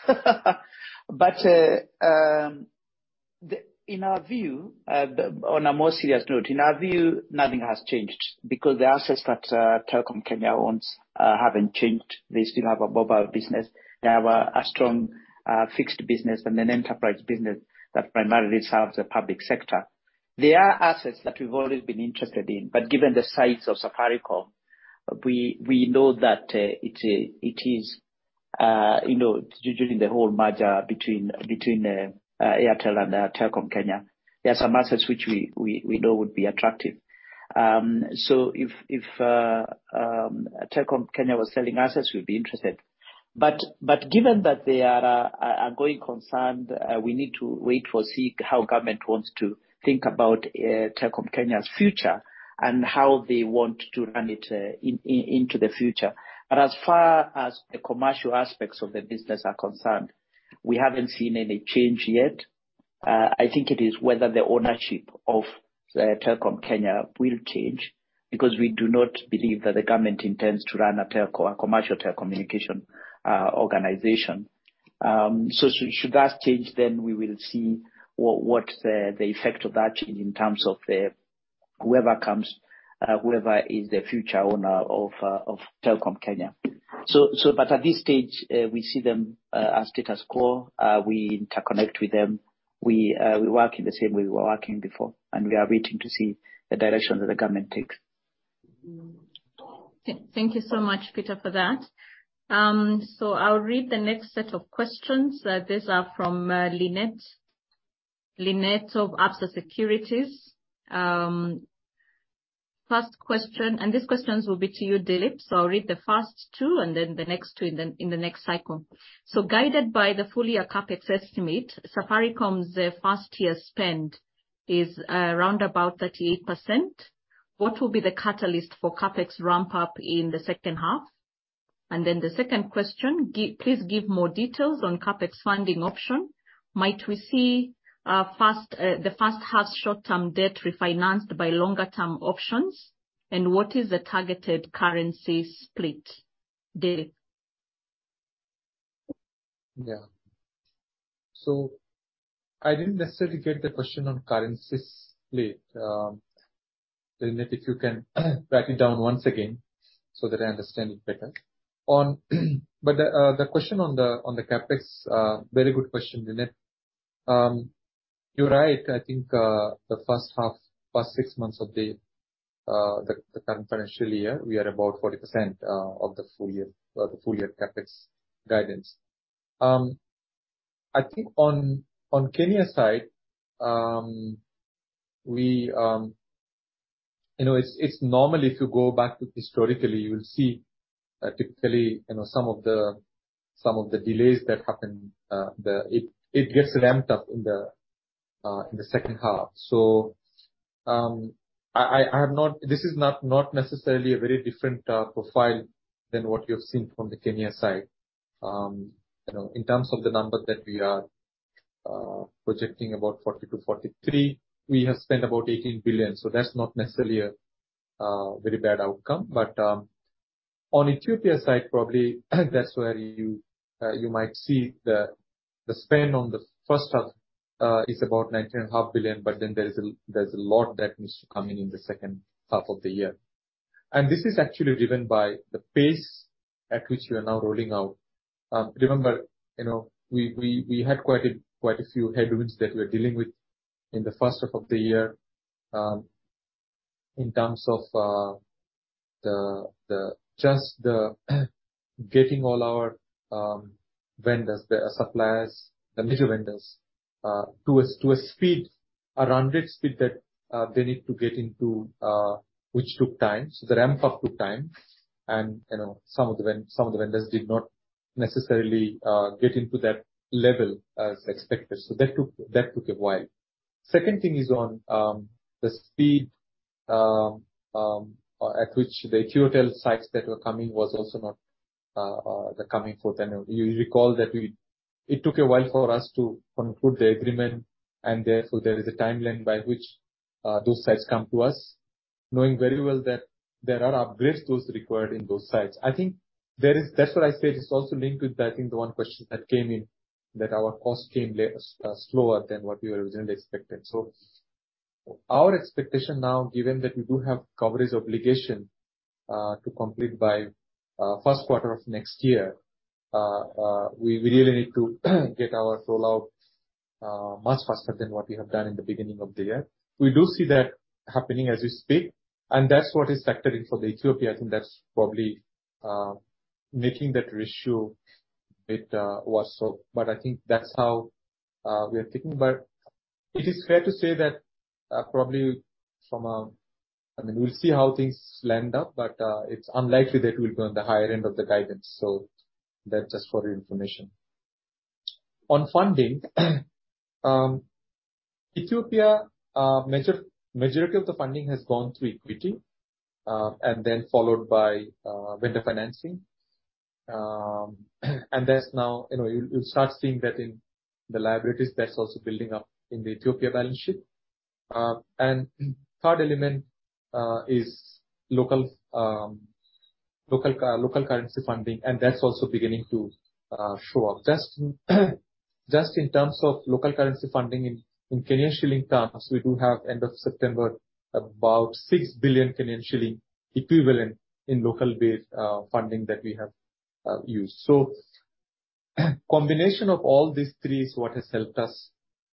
In our view, on a more serious note, in our view, nothing has changed because the assets that Telkom Kenya owns haven't changed. They still have a mobile business. They have a strong fixed business and an enterprise business that primarily serves the public sector. They are assets that we've always been interested in, but given the size of Safaricom, we know that it is, you know, during the whole merger between Airtel Kenya and Telkom Kenya, there are some assets which we know would be attractive. If Telkom Kenya was selling assets, we'd be interested. Given that they are a going concern, we need to wait and see how government wants to think about Telkom Kenya's future and how they want to run it into the future. As far as the commercial aspects of the business are concerned, we haven't seen any change yet. I think it is whether the ownership of Telkom Kenya will change, because we do not believe that the government intends to run a telco, a commercial telecommunications organization. Should that change, then we will see what the effect of that in terms of whoever comes, whoever is the future owner of Telkom Kenya. At this stage, we see them as status quo. We interconnect with them. We work in the same way we were working before, and we are waiting to see the direction that the government takes. Thank you so much, Peter, for that. I'll read the next set of questions. These are from Linet. Linet of Absa Securities. First question, and this question will be to you, Dilip. I'll read the first two and then the next two in the next cycle. Guided by the full year CapEx estimate, Safaricom's first year spend is around about 38%. What will be the catalyst for CapEx ramp up in the second half? And then the second question, please give more details on CapEx funding option. Might we see the first half short-term debt refinanced by longer-term options? And what is the targeted currency split? Dilip? I didn't necessarily get the question on currency split. Linet, if you can write it down once again so that I understand it better. The question on the CapEx, very good question, Linet. You're right. I think the first half, first six months of the current financial year, we are about 40% of the full year CapEx guidance. I think on Kenya's side, we. You know, it's normally if you go back historically, you'll see, typically, you know, some of the delays that happen, it gets ramped up in the second half. I have not. This is not necessarily a very different profile than what you've seen from the Kenya side. You know, in terms of the numbers that we are projecting about 40-43 billion, we have spent about 18 billion. That's not necessarily a very bad outcome. On Ethiopia side, probably that's where you might see the spend on the first half is about 19.5 billion, but then there's a lot that needs to come in in the second half of the year. This is actually driven by the pace at which we are now rolling out. Remember, you know, we had quite a few headwinds that we were dealing with in the first half of the year, in terms of just the getting all our vendors, the suppliers, the middle vendors, to a speed, a run rate speed that they need to get into, which took time. The ramp up took time and, you know, some of the vendors did not necessarily get into that level as expected. That took a while. Second thing is on the speed at which Ethio telecom sites that were coming was also not coming forth. You recall that we. It took a while for us to conclude the agreement, and therefore there is a timeline by which those sites come to us, knowing very well that there are upgrade tools required in those sites. That's what I said. It's also linked with, I think, the one question that came in, that our cost came later, slower than what we originally expected. Our expectation now, given that we do have coverage obligation to complete by first quarter of next year, we really need to get our rollout much faster than what we have done in the beginning of the year. We do see that happening as we speak, and that's what is factored in for Ethiopia. I think that's probably making that ratio a bit worse. I think that's how we are thinking. It is fair to say that probably I mean, we'll see how things land up, but it's unlikely that we'll be on the higher end of the guidance. That's just for your information. On funding Ethiopia, majority of the funding has gone through equity, and then followed by vendor financing. There's now, you know, you'll start seeing that in the liabilities. That's also building up in the Ethiopia balance sheet. Third element is local currency funding, and that's also beginning to show up. Just in terms of local currency funding, in Kenyan shilling terms, we do have end of September about 6 billion Kenyan shilling equivalent in local-based funding that we have used. Combination of all these three is what has helped us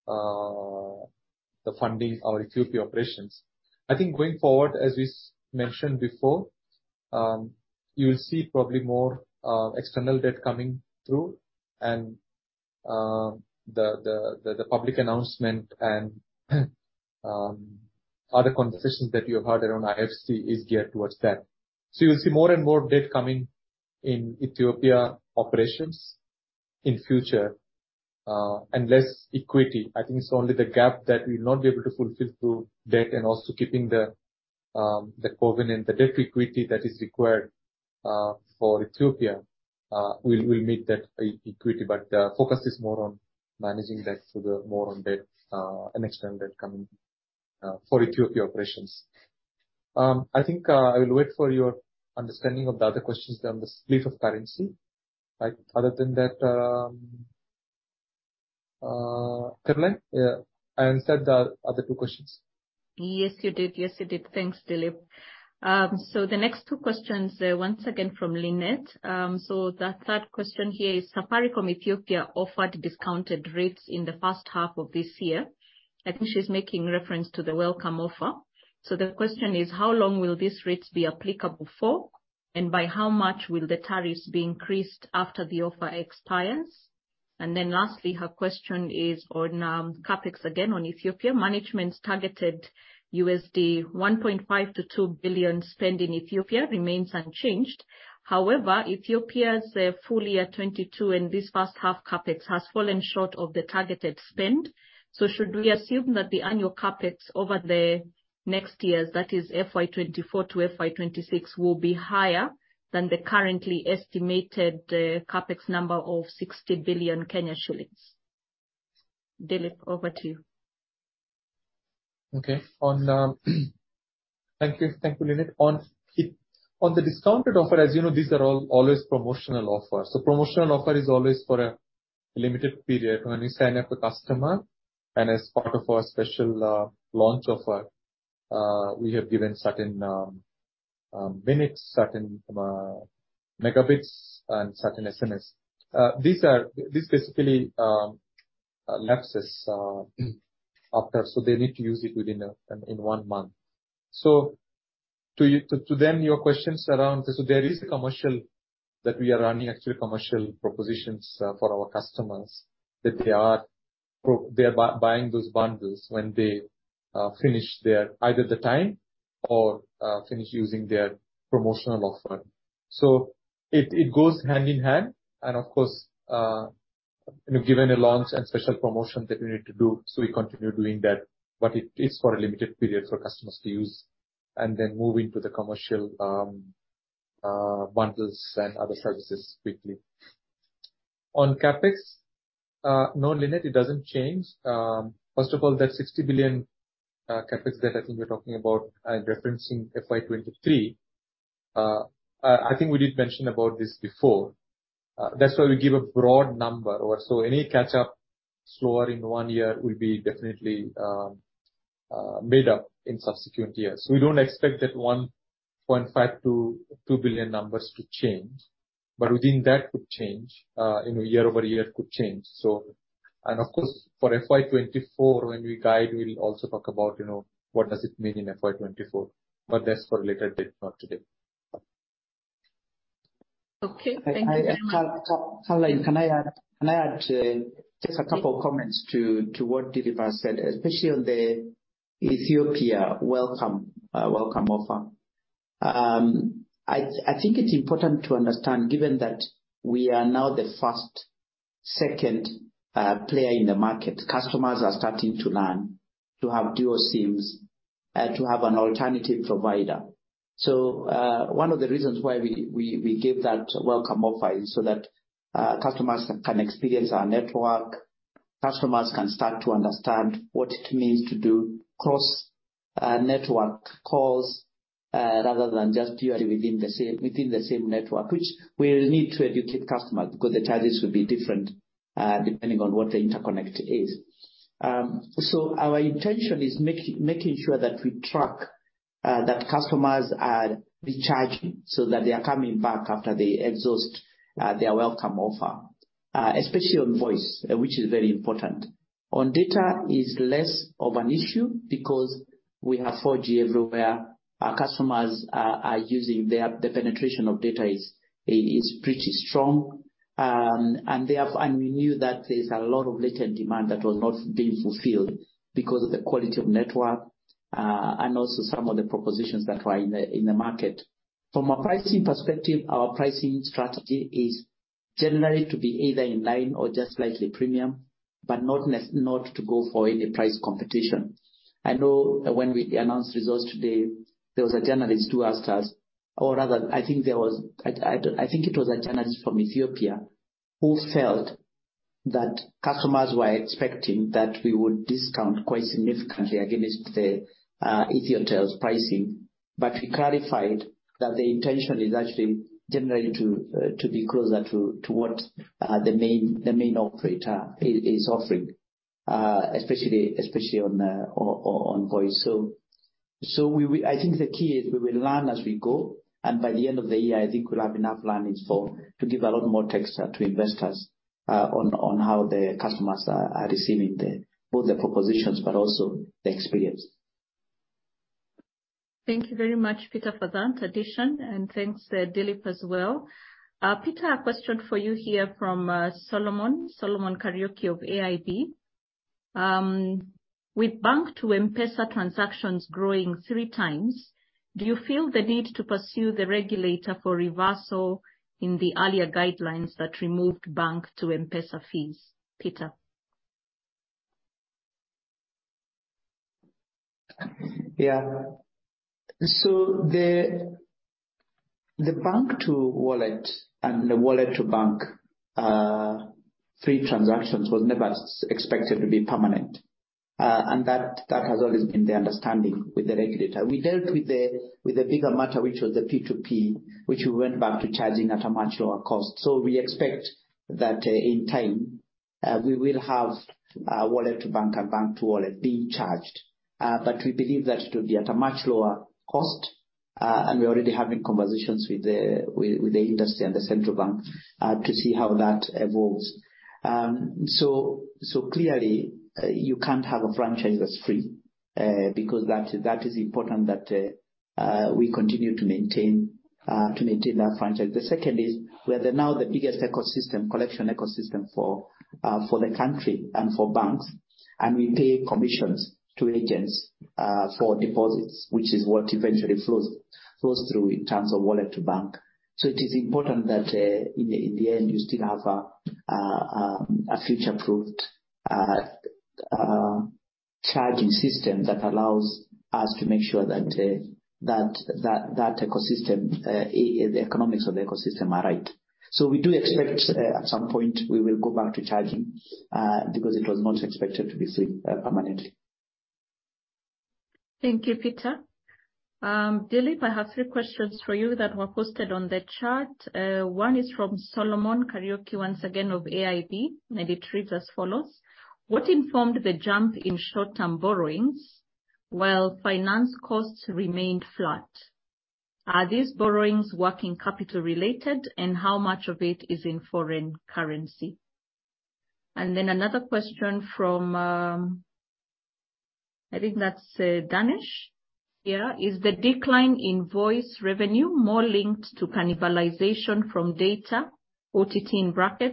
in funding our Ethiopia operations. I think going forward, as we mentioned before, you'll see probably more external debt coming through and the public announcement and other conversations that you have had around IFC is geared towards that. You'll see more and more debt coming in Ethiopia operations in future and less equity. I think it's only the gap that we'll not be able to fulfill through debt and also keeping the covenant, the debt equity that is required for Ethiopia. We'll meet that equity. The focus is more on debt, more on debt and external debt coming for Ethiopia operations. I think I will wait for your understanding of the other questions on the split of currency, right? Other than that, Caroline, yeah, I answered the other two questions. Yes, you did. Thanks, Dilip. The next two questions are once again from Lynette. The third question here is Safaricom Ethiopia offered discounted rates in the first half of this year. I think she's making reference to the welcome offer. The question is, how long will these rates be applicable for, and by how much will the tariffs be increased after the offer expires? And then lastly, her question is on CapEx again on Ethiopia. Management's targeted $1.5-$2 billion spend in Ethiopia remains unchanged. However, Ethiopia's full year 2022, and this first half CapEx has fallen short of the targeted spend. Should we assume that the annual CapEx over the next years, that is FY 2024 to FY 2026, will be higher than the currently estimated CapEx number of 60 billion shillings? Dilip, over to you. Thank you, Lynette. On the discounted offer, as you know, these are always promotional offers. Promotional offer is always for a limited period when you sign up a customer, and as part of our special launch offer, we have given certain minutes, certain megabits and certain SMS. These basically lapse after, so they need to use it within one month. To your questions around, there is a commercial that we are running, actually commercial propositions, for our customers, that they are buying those bundles when they finish their either the time or finish using their promotional offer. It goes hand in hand and of course, you know, given a launch and special promotion that we need to do. We continue doing that. It is for a limited period for customers to use and then move into the commercial, bundles and other services quickly. On CapEx, no, Lynette, it doesn't change. First of all, that 60 billion CapEx that I think you're talking about and referencing FY 2023, I think we did mention about this before. That's why we give a broad number or so. Any catch-up slower in one year will be definitely made up in subsequent years. We don't expect that $1.5 billion-$2 billion numbers to change, but within that could change, you know, year-over-year could change. Of course, for FY 2024 when we guide, we'll also talk about, you know, what does it mean in FY 2024, but that's for a later date, not today. Okay. Thank you very much. Caroline, can I add just a couple of comments to what Dilip said, especially on the Ethiopia welcome offer? I think it's important to understand, given that we are now the second player in the market, customers are starting to learn to have dual SIMs, to have an alternative provider. One of the reasons why we give that welcome offer is so that customers can experience our network, customers can start to understand what it means to do cross network calls, rather than just purely within the same network, which we'll need to educate customers because the charges will be different, depending on what the interconnect is. Our intention is making sure that we track that customers are recharging so that they are coming back after they exhaust their welcome offer, especially on voice, which is very important. On data is less of an issue because we have 4G everywhere. The penetration of data is pretty strong. And we knew that there's a lot of latent demand that was not being fulfilled because of the quality of network and also some of the propositions that were in the market. From a pricing perspective, our pricing strategy is generally to be either in line or just slightly premium, but not to go for any price competition. I know when we announced results today, there was a journalist who asked us, or rather, I think it was a journalist from Ethiopia who felt that customers were expecting that we would discount quite significantly against the Ethio telecom's pricing. We clarified that the intention is actually generally to be closer to what the main operator is offering, especially on voice. I think the key is we will learn as we go, and by the end of the year, I think we'll have enough learnings to give a lot more texture to investors on how the customers are receiving both the propositions but also the experience. Thank you very much, Peter, for that addition, and thanks, Dilip, as well. Peter, a question for you here from Solomon. Solomon Kariuki of AIB. With bank to M-PESA transactions growing three times, do you feel the need to pursue the regulator for reversal in the earlier guidelines that removed bank to M-PESA fees? Peter? Yeah. The bank-to-wallet and the wallet-to-bank free transactions was never expected to be permanent. That has always been the understanding with the regulator. We dealt with the bigger matter, which was the P2P, which we went back to charging at a much lower cost. We expect that in time we will have wallet to bank and bank to wallet being charged. We believe that it will be at a much lower cost, and we're already having conversations with the industry and the central bank to see how that evolves. Clearly, you can't have a franchise that's free because that is important that we continue to maintain that franchise. The second is we are now the biggest ecosystem collection ecosystem for the country and for banks, and we pay commissions to agents for deposits, which is what eventually flows through in terms of wallet to bank. It is important that in the end you still have a future-proofed charging system that allows us to make sure that that ecosystem the economics of the ecosystem are right. We do expect at some point we will go back to charging because it was not expected to be free permanently. Thank you, Peter. Dilip, I have three questions for you that were posted on the chat. One is from Solomon Kariuki, once again of AIB, and it reads as follows: What informed the jump in short-term borrowings while finance costs remained flat? Are these borrowings working capital related, and how much of it is in foreign currency? Then another question from, I think that's Danesh here. Is the decline in voice revenue more linked to cannibalization from data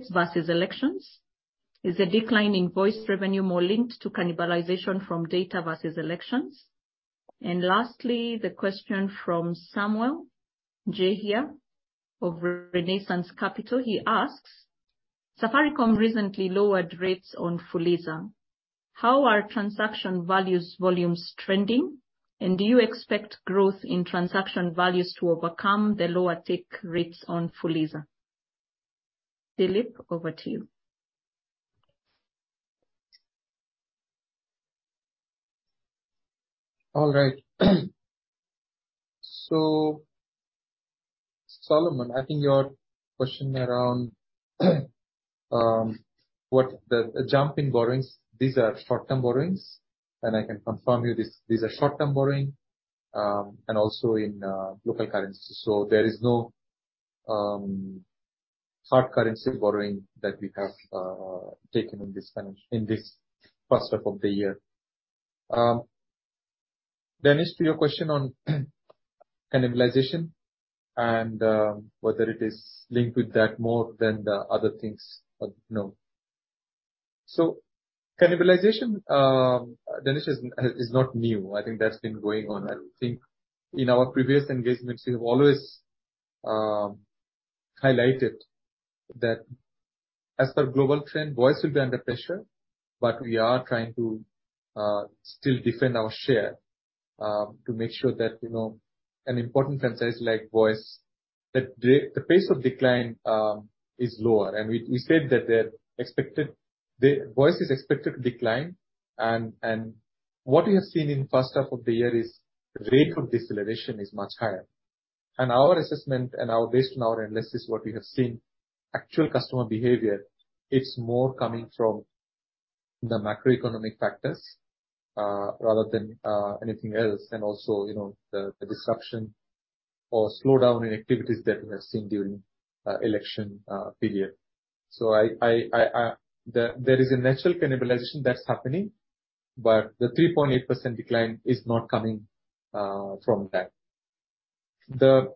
versus elections? Lastly, the question from Samuel Njihia of Renaissance Capital. He asks, Safaricom recently lowered rates on Fuliza. How are transaction values, volumes trending, and do you expect growth in transaction values to overcome the lower take rates on Fuliza? Dilip, over to you. All right. Solomon, I think your question around what the jump in borrowings. These are short-term borrowings, and I can confirm to you these are short-term borrowings and also in local currency. There is no hard currency borrowing that we have taken in this time, in this first half of the year. Danesh, to your question on cannibalization and whether it is linked with that more than the other things. No. Cannibalization, Danesh, is not new. I think that's been going on. I think in our previous engagements, we've always highlighted that as per global trend, voice will be under pressure. We are trying to still defend our share to make sure that, you know, an important segment is like voice. The pace of decline is lower. We said that the voice is expected to decline. What we have seen in the first half of the year is the rate of deceleration is much higher. Our assessment and, based on our analysis, what we have seen, actual customer behavior, it's more coming from the macroeconomic factors, rather than anything else and also, you know, the disruption or slowdown in activities that we have seen during election period. There is a natural cannibalization that's happening, but the 3.8% decline is not coming from that. The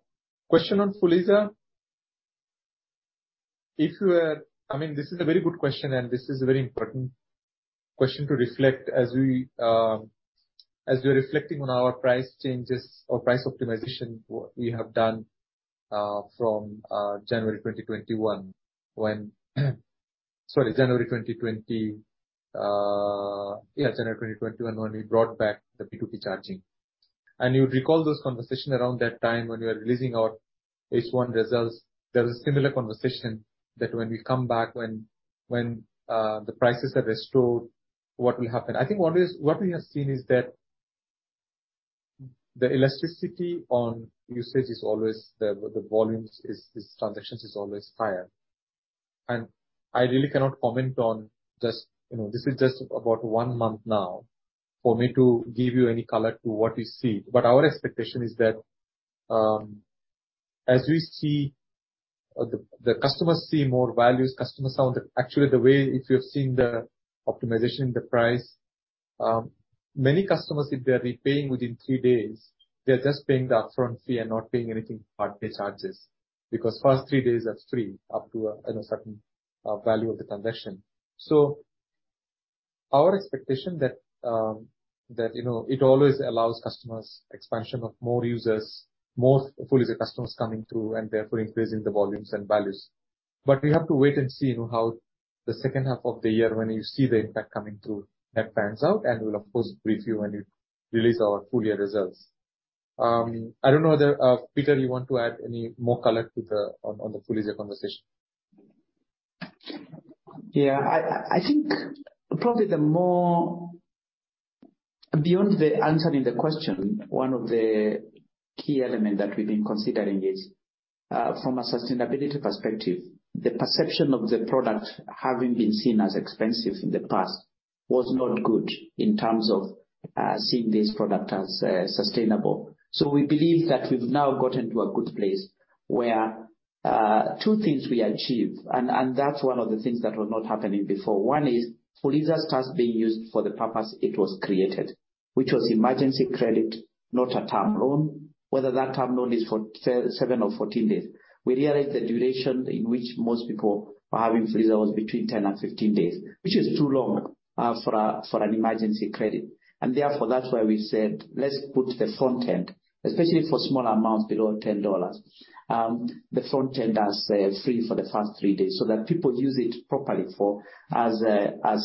question on Fuliza, if you are. I mean, this is a very good question, and this is a very important question to reflect as we're reflecting on our price changes or price optimization, what we have done from January 2021 when we brought back the P2P charging. You would recall this conversation around that time when we were releasing our H1 results. There was a similar conversation that when we come back, when the prices are restored, what will happen? I think what we have seen is that the elasticity on usage is always the volumes, transactions are always higher. I really cannot comment on just, you know, this is just about one month now for me to give you any color to what you see. Our expectation is that, actually, the way if you have seen the optimization in the price, many customers if they're repaying within three days, they're just paying the upfront fee and not paying anything per day charges. Because first three days are free up to a certain value of the transaction. Our expectation that it always allows customers expansion of more users, more Fuliza customers coming through and therefore increasing the volumes and values. We have to wait and see, you know, how the second half of the year when you see the impact coming through, that pans out, and we'll of course brief you when we release our full year results. I don't know whether Peter, you want to add any more color to the Fuliza conversation? Yeah. I think probably beyond answering the question, one of the key element that we've been considering is, from a sustainability perspective, the perception of the product having been seen as expensive in the past was not good in terms of seeing this product as sustainable. We believe that we've now gotten to a good place where two things we achieved, and that's one of the things that were not happening before. One is Fuliza starts being used for the purpose it was created, which was emergency credit, not a term loan. Whether that term loan is for seven or 14 days. We realized the duration in which most people were having Fuliza was between 10 and 15 days, which is too long for an emergency credit. Therefore, that's why we said, "Let's put the front end," especially for small amounts below $10. The front end as free for the first three days so that people use it properly for as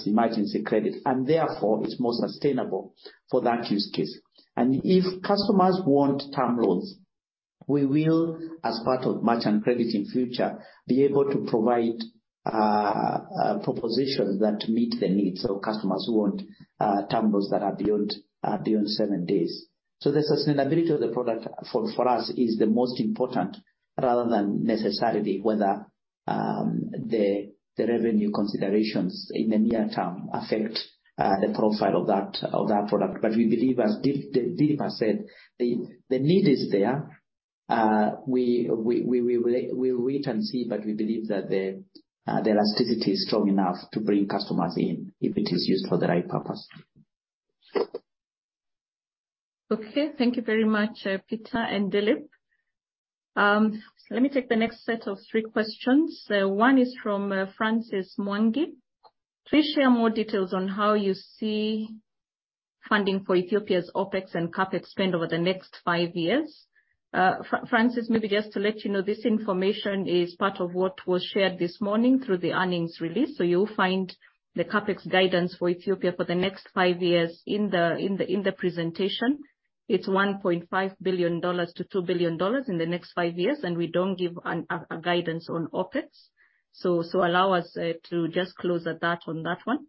emergency credit. Therefore, it's more sustainable for that use case. If customers want term loans, we will, as part of merchant credit in future, be able to provide propositions that meet the needs of customers who want term loans that are beyond seven days. The sustainability of the product for us is the most important rather than necessarily whether the revenue considerations in the near term affect the profile of that product. We believe, as Dilip has said, the need is there. We wait and see, but we believe that the elasticity is strong enough to bring customers in if it is used for the right purpose. Okay. Thank you very much, Peter and Dilip. Let me take the next set of three questions. One is from Francis Mwangi. Please share more details on how you see funding for Ethiopia's OpEx and CapEx spend over the next five years. Francis, maybe just to let you know, this information is part of what was shared this morning through the earnings release. You'll find the CapEx guidance for Ethiopia for the next five years in the presentation. It's $1.5 billion-$2 billion in the next five years, and we don't give a guidance on OpEx. Allow us to just close at that on that one.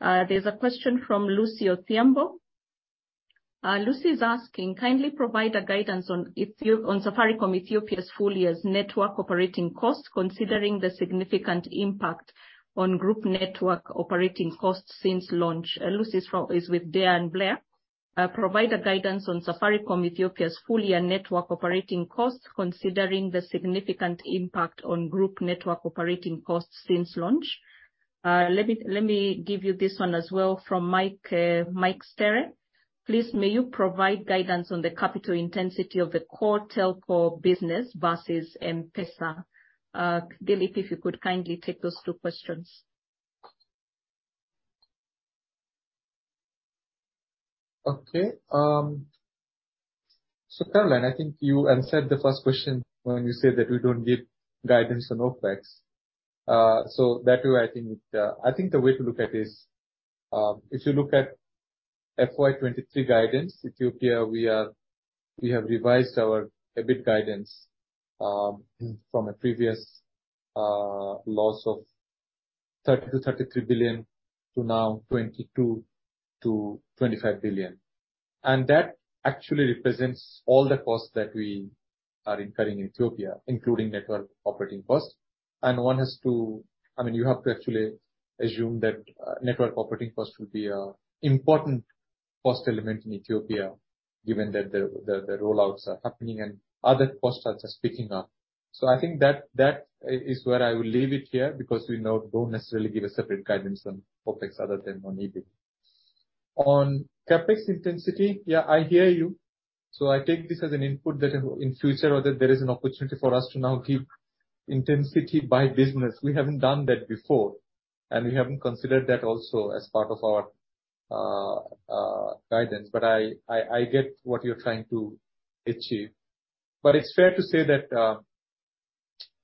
There's a question from Lucy Odhiambo. Lucy is asking, kindly provide guidance on Safaricom Ethiopia's full year's network operating costs, considering the significant impact on group network operating costs since launch. Lucy is with Dyer & Blair. Provide guidance on Safaricom Ethiopia's full year network operating costs considering the significant impact on group network operating costs since launch. Let me give you this one as well from Mike Steere. Please, may you provide guidance on the capital intensity of the core telco business versus M-PESA? Dilip, if you could kindly take those two questions. Okay. Caroline, I think you answered the first question when you said that we don't give guidance on OpEx. That way I think the way to look at is if you look at FY 2023 guidance. Ethiopia we are, we have revised our EBIT guidance from a previous loss of 30-33 billion to now 22-25 billion. That actually represents all the costs that we are incurring in Ethiopia, including network operating costs. One has to, I mean, you have to actually assume that network operating costs will be an important cost element in Ethiopia given that the rollouts are happening and other costs are just picking up. I think that is where I will leave it here because we don't necessarily give a separate guidance on OpEx other than on EBIT. On CapEx intensity, yeah, I hear you. I take this as an input that in future whether there is an opportunity for us to now give intensity by business. We haven't done that before, and we haven't considered that also as part of our guidance. But I get what you're trying to achieve. But it's fair to say that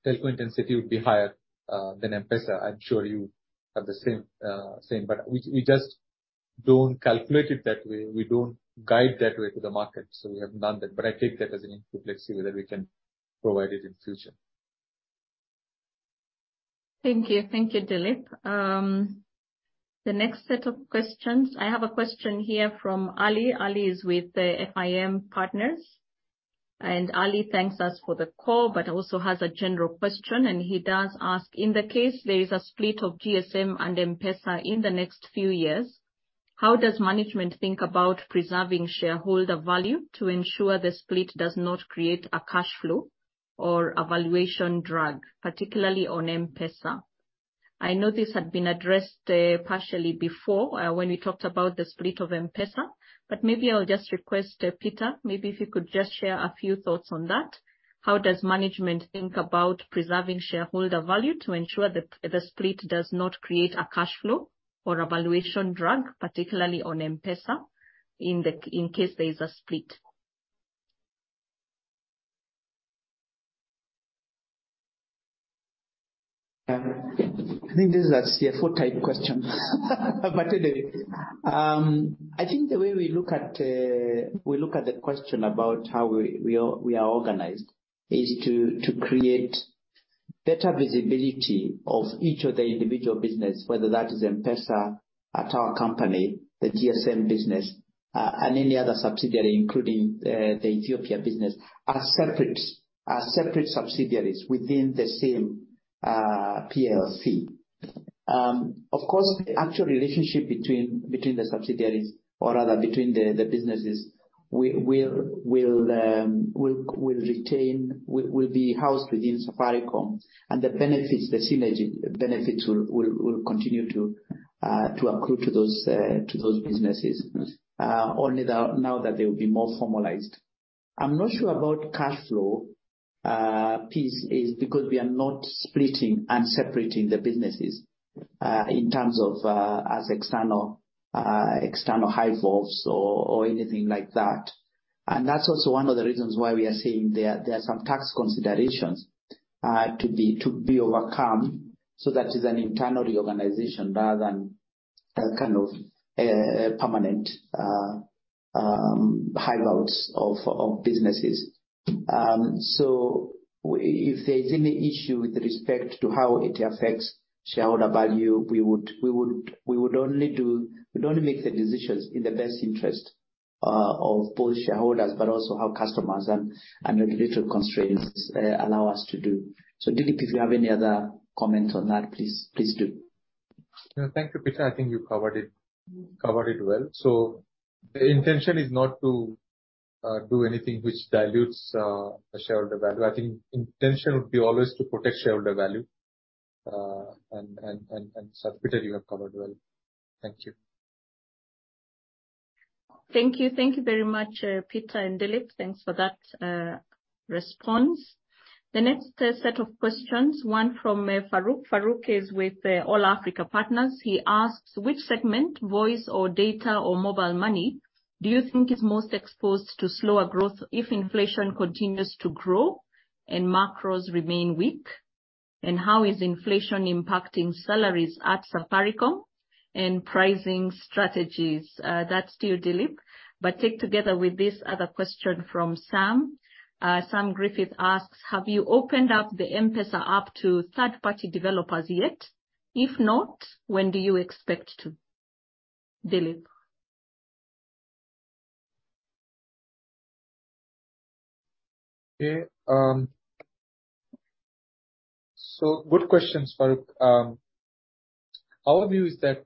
telco intensity would be higher than M-PESA. I'm sure you have the same. But we just don't calculate it that way. We don't guide that way to the market, so we haven't done that. But I take that as an input. Let's see whether we can provide it in future. Thank you. Thank you, Dilip. The next set of questions, I have a question here from Ali. Ali is with the FIM Partners. Ali thanks us for the call, but also has a general question, and he does ask, in the case there is a split of GSM and M-PESA in the next few years, how does management think about preserving shareholder value to ensure the split does not create a cash flow or a valuation drag, particularly on M-PESA? I know this had been addressed partially before when we talked about the split of M-PESA, but maybe I'll just request, Peter, maybe if you could just share a few thoughts on that. How does management think about preserving shareholder value to ensure the split does not create a cash flow or a valuation drag, particularly on M-PESA in the case there is a split. I think this is a CFO type question. Anyway, I think the way we look at the question about how we are organized is to create better visibility of each of the individual business, whether that is M-PESA, a tower company, the GSM business, and any other subsidiary, including the Ethiopia business, as separate subsidiaries within the same PLC. Of course, the actual relationship between the subsidiaries or rather between the businesses will be housed within Safaricom and the synergy benefits will continue to accrue to those businesses, only now that they will be more formalized. I'm not sure about cash flow piece is because we are not splitting and separating the businesses in terms of as external hive-offs or anything like that. That's also one of the reasons why we are saying there are some tax considerations to be overcome. That is an internal reorganization rather than a kind of permanent hive-offs of businesses. If there's any issue with respect to how it affects shareholder value, we would only make the decisions in the best interest of both shareholders, but also how customers and regulatory constraints allow us to do. Dilip, if you have any other comments on that, please do. No. Thank you, Peter. I think you covered it well. The intention is not to do anything which dilutes the shareholder value. I think intention would be always to protect shareholder value, and so Peter you have covered well. Thank you. Thank you. Thank you very much, Peter and Dilip. Thanks for that, response. The next set of questions, one from Farouk. Farouk is with All Africa Partners. He asks, which segment, voice or data or mobile money, do you think is most exposed to slower growth if inflation continues to grow and macros remain weak? And how is inflation impacting salaries at Safaricom and pricing strategies? That's to you, Dilip. Taken together with this other question from Sam. Sam Griffiths asks, have you opened up the M-PESA up to third-party developers yet? If not, when do you expect to? Dilip. Okay. Good questions, Farouk. Our view is that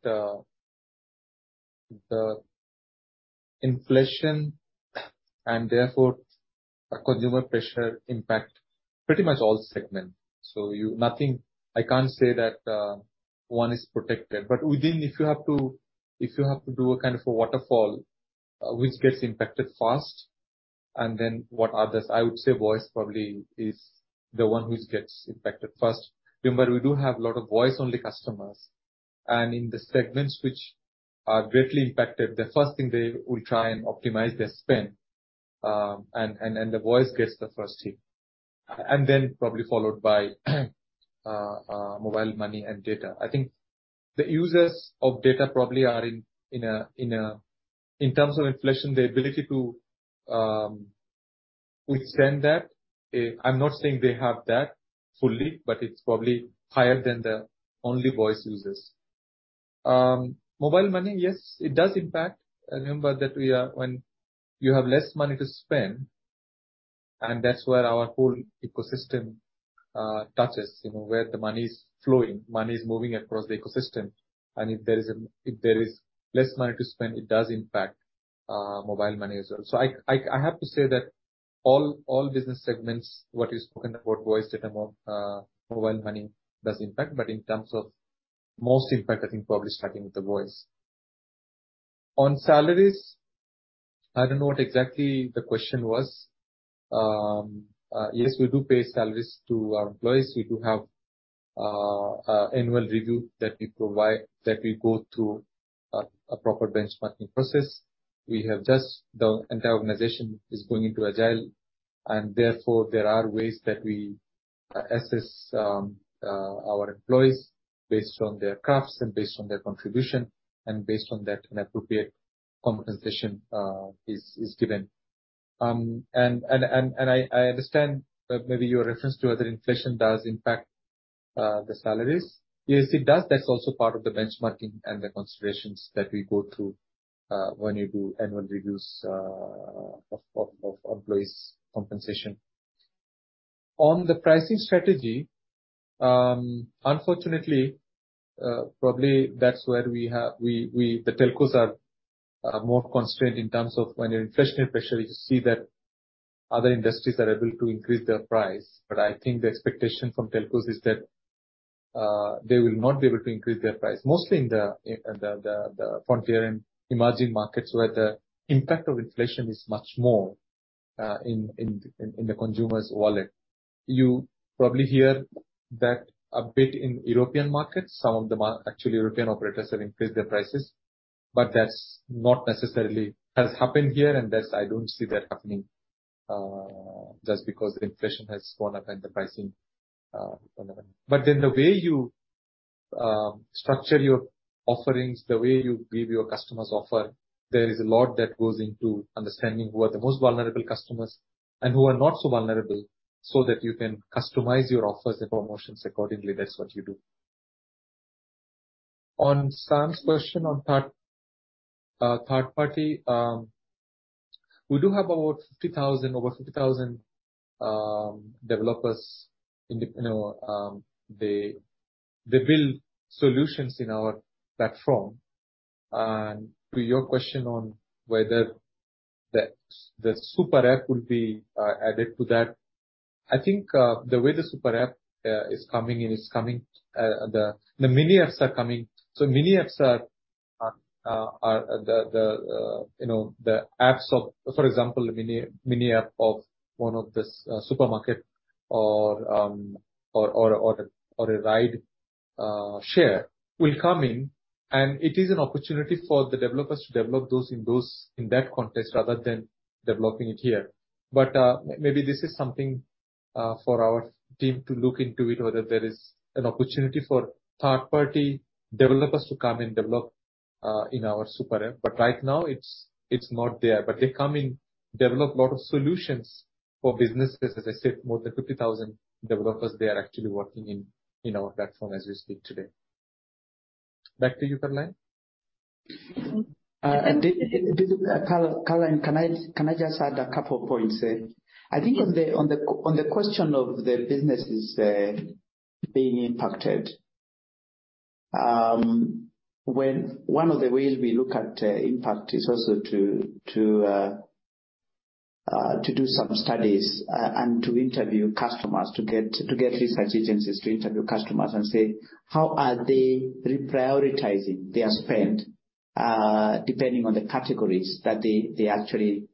the inflation and therefore a consumer pressure impact pretty much all segments. I can't say that one is protected. Within, if you have to do a kind of a waterfall which gets impacted first, and then what others, I would say voice probably is the one which gets impacted first. Remember, we do have a lot of voice-only customers, and in the segments which are greatly impacted, the first thing they will try and optimize their spend, and the voice gets the first hit. And then probably followed by mobile money and data. I think the users of data probably are in a in terms of inflation, the ability to withstand that. I'm not saying they have that fully, but it's probably higher than the only voice users. Mobile money, yes, it does impact. Remember when you have less money to spend, and that's where our whole ecosystem touches, you know, where the money is flowing, money is moving across the ecosystem. If there is less money to spend, it does impact mobile money as well. I have to say that all business segments, what you've spoken about, voice, data, mobile money, does impact. In terms of most impact, I think probably starting with the voice. On salaries, I don't know what exactly the question was. Yes, we do pay salaries to our employees. We do have an annual review that we provide, that we go through a proper benchmarking process. The entire organization is going into Agile, and therefore, there are ways that we assess our employees based on their crafts and based on their contribution, and based on that, an appropriate compensation is given. I understand that maybe your reference to whether inflation does impact the salaries. Yes, it does. That's also part of the benchmarking and the considerations that we go through when you do annual reviews of employees' compensation. On the pricing strategy, unfortunately, probably that's where the telcos are more constrained in terms of inflation pressure. You see that other industries are able to increase their price. I think the expectation from telcos is that they will not be able to increase their price. Mostly in the frontier and emerging markets, where the impact of inflation is much more in the consumer's wallet. You probably hear that a bit in European markets. Some actually European operators have increased their prices, but that's not necessarily has happened here, and that's. I don't see that happening just because inflation has gone up and the pricing gone up. The way you structure your offerings, the way you give your customers offer, there is a lot that goes into understanding who are the most vulnerable customers and who are not so vulnerable, so that you can customize your offers and promotions accordingly. That's what you do. On Sam's question on third party. We do have about 50,000, over 50,000, developers. You know, they build solutions in our platform. To your question on whether the super app will be added to that, I think the way the super app is coming in, the mini apps are coming. Mini apps are the apps of. For example, the mini app of one of the supermarket or a ride share will come in, and it is an opportunity for the developers to develop those in that context rather than developing it here. Maybe this is something for our team to look into it, whether there is an opportunity for third-party developers to come and develop in our super app. Right now, it's not there. They come in, develop a lot of solutions for businesses. As I said, more than 50,000 developers, they are actually working in our platform as we speak today. Back to you, Caroline. Did Caroline, can I just add a couple of points there? Yes. I think on the question of the businesses being impacted, when one of the ways we look at impact is also to do some studies and to interview customers to get research agencies to interview customers and say, "How are they reprioritizing their spend depending on the categories that they actually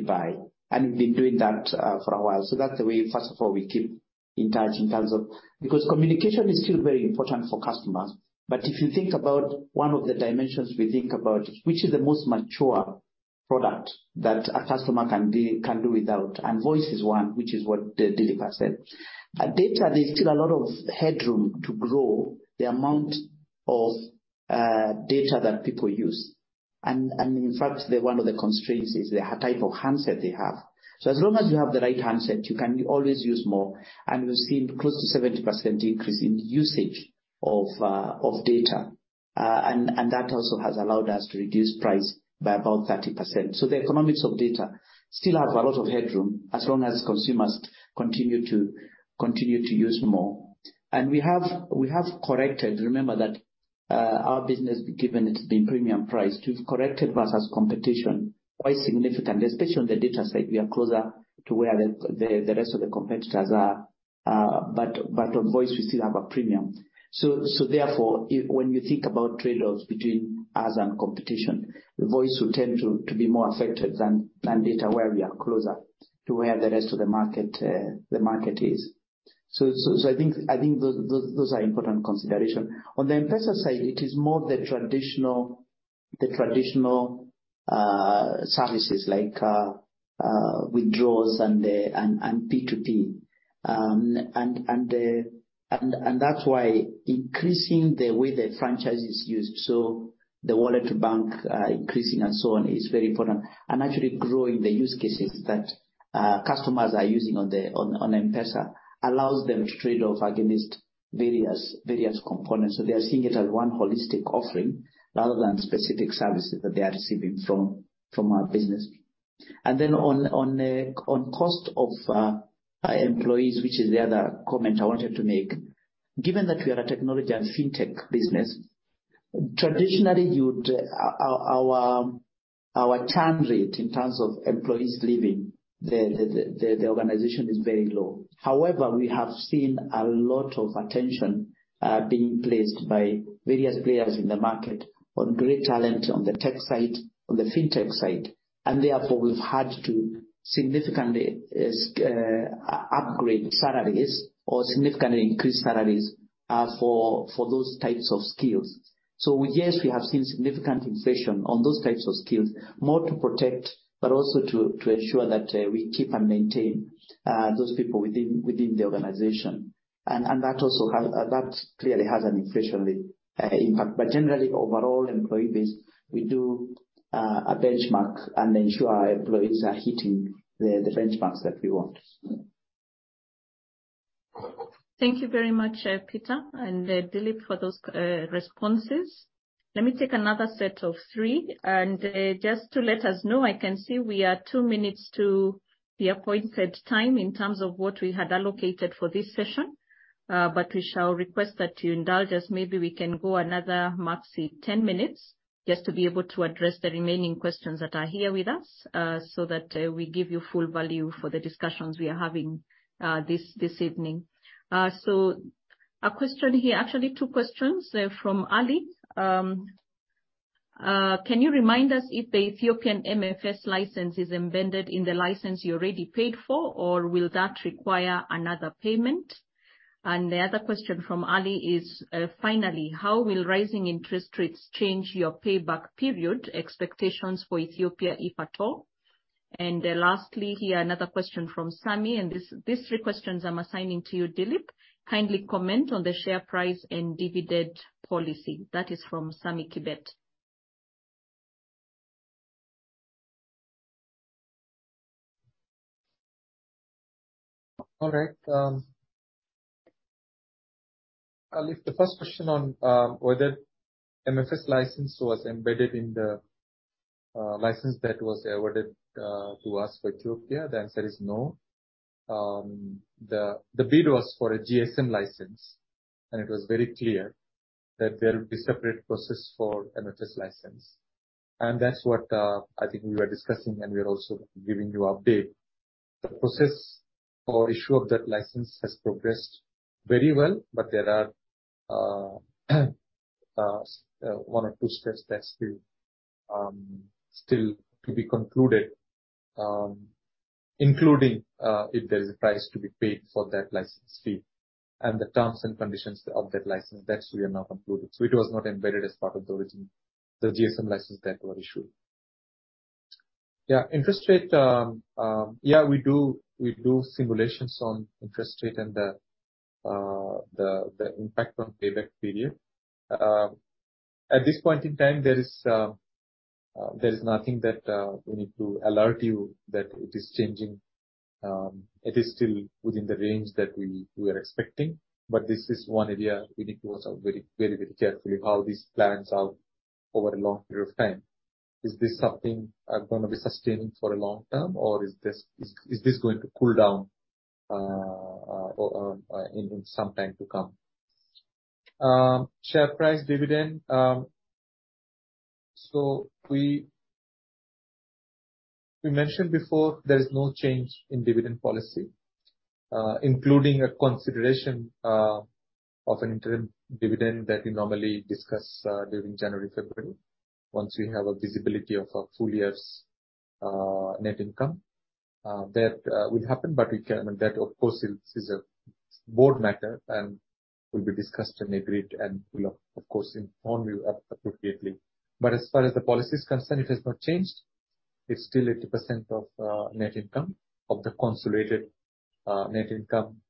buy?" We've been doing that for a while. That's the way, first of all, we keep in touch in terms of communication because communication is still very important for customers. If you think about one of the dimensions we think about, which is the most mature product that a customer can do without, and voice is one, which is what Dilip has said. On data, there's still a lot of headroom to grow the amount of data that people use. In fact, one of the constraints is the type of handset they have. As long as you have the right handset, you can always use more. We've seen close to 70% increase in usage of data. That also has allowed us to reduce price by about 30%. The economics of data still have a lot of headroom as long as consumers continue to use more. We have corrected. Remember that our business, given it's been premium priced, we've corrected versus competition quite significantly, especially on the data side. We are closer to where the rest of the competitors are. On voice, we still have a premium. Therefore, if when you think about trade-offs between us and competition, voice will tend to be more affected than data where we are closer to where the rest of the market, the market is. I think those are important consideration. On the M-PESA side, it is more the traditional services like withdrawals and P2P. That's why increasing the way the franchise is used, so the wallet to bank, increasing and so on is very important. Actually growing the use cases that customers are using on the M-PESA allows them to trade off against various components. They are seeing it as one holistic offering rather than specific services that they are receiving from our business. On cost of employees, which is the other comment I wanted to make. Given that we are a technology and fintech business, our churn rate in terms of employees leaving the organization is very low. However, we have seen a lot of attention being placed by various players in the market on great talent on the tech side, on the fintech side, and therefore we've had to significantly upgrade salaries or significantly increase salaries for those types of skills. Yes, we have seen significant inflation on those types of skills, more to protect, but also to ensure that we keep and maintain those people within the organization. That clearly has an inflationary impact. Generally, overall employee base, we do a benchmark and ensure our employees are hitting the benchmarks that we want. Thank you very much, Peter and, Dilip, for those, responses. Let me take another set of three. Just to let us know, I can see we are two minutes to the appointed time in terms of what we had allocated for this session. We shall request that you indulge us. Maybe we can go another maximum ten minutes just to be able to address the remaining questions that are here with us, so that, we give you full value for the discussions we are having, this evening. A question here. Actually two questions, from Ali. Can you remind us if the Ethiopian MFS license is embedded in the license you already paid for, or will that require another payment? The other question from Ali is, finally: How will rising interest rates change your payback period expectations for Ethiopia, if at all? Lastly here, another question from Sammy, and these three questions I'm assigning to you, Dilip. Kindly comment on the share price and dividend policy. That is from Sammy Kibet. All right. Ali, the first question on whether MFS license was embedded in the license that was awarded to us for Ethiopia, the answer is no. The bid was for a GSM license, and it was very clear that there will be separate process for MFS license. That's what I think we were discussing, and we are also giving you update. The process or issue of that license has progressed very well, but there are one or two stress tests still to be concluded, including if there is a price to be paid for that license fee and the terms and conditions of that license. That's what we are not concluded. It was not embedded as part of the original GSM license that were issued. Interest rate, we do simulations on interest rate and the impact on payback period. At this point in time, there is nothing that we need to alert you that it is changing. It is still within the range that we are expecting. This is one area we need to watch out very carefully how this plans out over a long period of time. Is this something gonna be sustaining for a long term, or is this going to cool down, or in some time to come? Share price dividend. We mentioned before there's no change in dividend policy, including a consideration of an interim dividend that we normally discuss during January, February. Once we have a visibility of a full year's net income, that will happen. That of course is a board matter and will be discussed and agreed, and we'll of course inform you appropriately. As far as the policy is concerned, it has not changed. It's still 80% of net income of the consolidated net income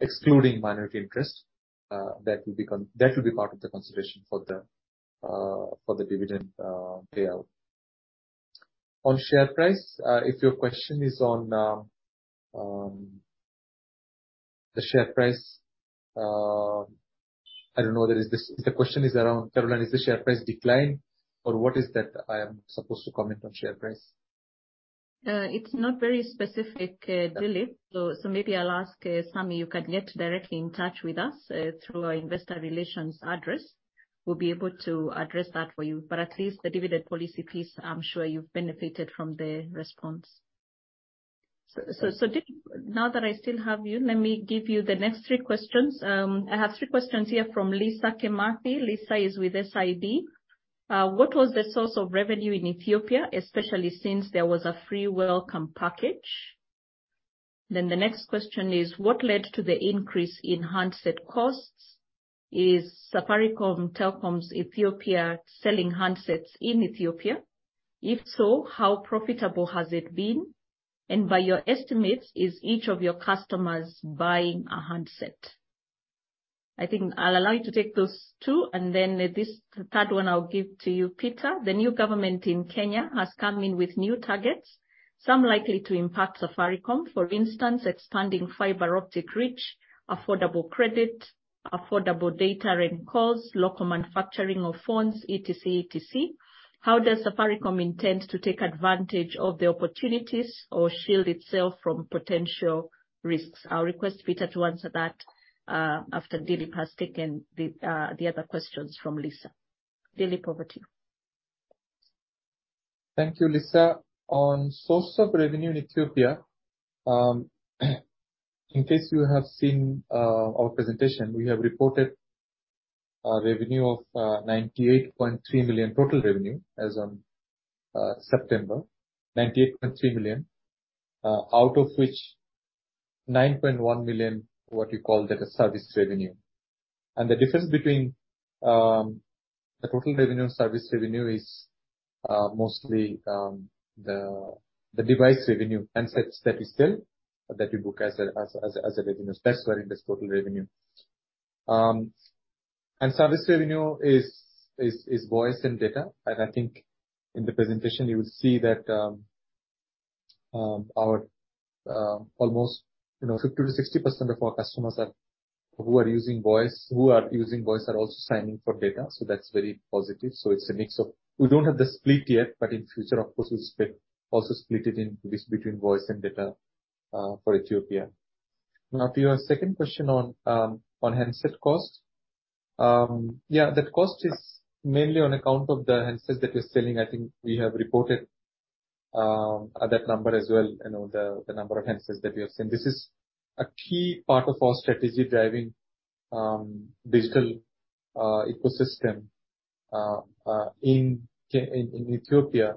excluding minority interest. That will be part of the consideration for the dividend payout. On share price, if your question is on the share price, I don't know. If the question is around, Caroline, is the share price decline or what is that I am supposed to comment on share price? It's not very specific, Dilip. Maybe I'll ask, Sammy, you can get directly in touch with us through our investor relations address. We'll be able to address that for you. At least the dividend policy piece, I'm sure you've benefited from the response. Dilip, now that I still have you, let me give you the next three questions. I have three questions here from Lisa Kimathi. Lisa is with SIB. What was the source of revenue in Ethiopia, especially since there was a free welcome package? Then the next question is. What led to the increase in handset costs? Is Safaricom Telecommunications Ethiopia selling handsets in Ethiopia? If so, how profitable has it been? And by your estimates, is each of your customers buying a handset? I think I'll allow you to take those two, and then this third one I'll give to you, Peter. The new government in Kenya has come in with new targets, some likely to impact Safaricom. For instance, expanding fiber optic reach, affordable credit, affordable data and calls, local manufacturing of phones, etc., etc. How does Safaricom intend to take advantage of the opportunities or shield itself from potential risks? I'll request Peter to answer that, after Dilip has taken the other questions from Lisa. Dilip, over to you. Thank you, Lisa. On source of revenue in Ethiopia, in case you have seen our presentation, we have reported a revenue of 98.3 million total revenue as on September. 98.3 million, out of which 9.1 million, what you call that a service revenue. The difference between the total revenue and service revenue is mostly the device revenue and such that is still that we book as a revenue. That's why in this total revenue. Service revenue is voice and data. I think in the presentation you will see that our almost you know 50%-60% of our customers who are using voice are also signing for data, so that's very positive. It's a mix of. We don't have the split yet, but in future, of course, we'll split it into this between voice and data for Ethiopia. Now to your second question on handset cost. Yeah, that cost is mainly on account of the handsets that we're selling. I think we have reported that number as well, you know, the number of handsets that we have sold. This is a key part of our strategy driving digital ecosystem in Ethiopia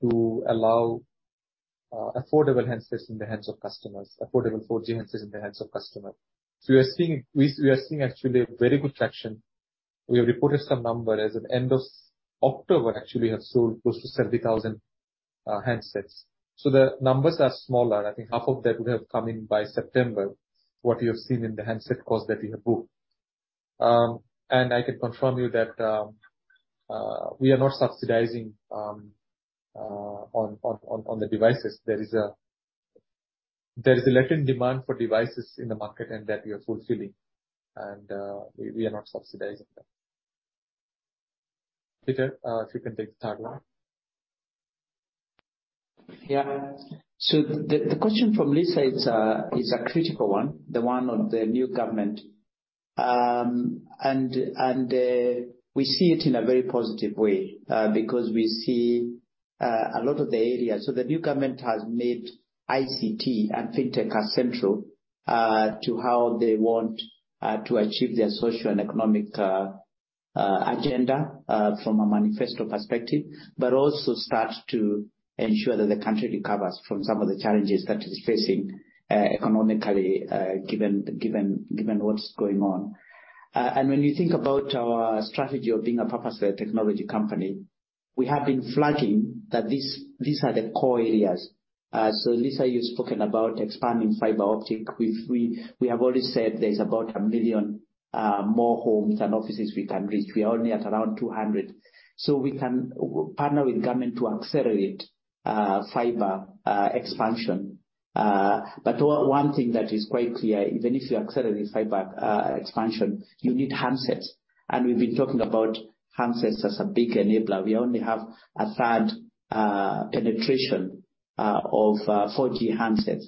to allow affordable handsets in the hands of customers, affordable 4G handsets in the hands of customers. So we are seeing actually a very good traction. We have reported some number. As at end of October, actually, we have sold close to 70,000 handsets. So the numbers are smaller. I think half of that would have come in by September. What you have seen in the handset cost that we have booked. I can confirm to you that we are not subsidizing on the devices. There is a latent demand for devices in the market, and that we are fulfilling and we are not subsidizing them. Peter, if you can take the third one. Yeah. The question from Lisa is a critical one, the one on the new government. We see it in a very positive way, because we see a lot of the areas. The new government has made ICT and fintech as central to how they want to achieve their social and economic agenda from a manifesto perspective. also start to ensure that the country recovers from some of the challenges that it's facing economically, given what's going on. When you think about our strategy of being a purpose-led technology company, we have been flagging that this, these are the core areas. Lisa, you've spoken about expanding fiber optic. We have already said there's about 1 million more homes and offices we can reach. We are only at around 200. We can partner with government to accelerate fiber expansion. One thing that is quite clear, even if you accelerate fiber expansion, you need handsets, and we've been talking about handsets as a big enabler. We only have a third penetration of 4G handsets.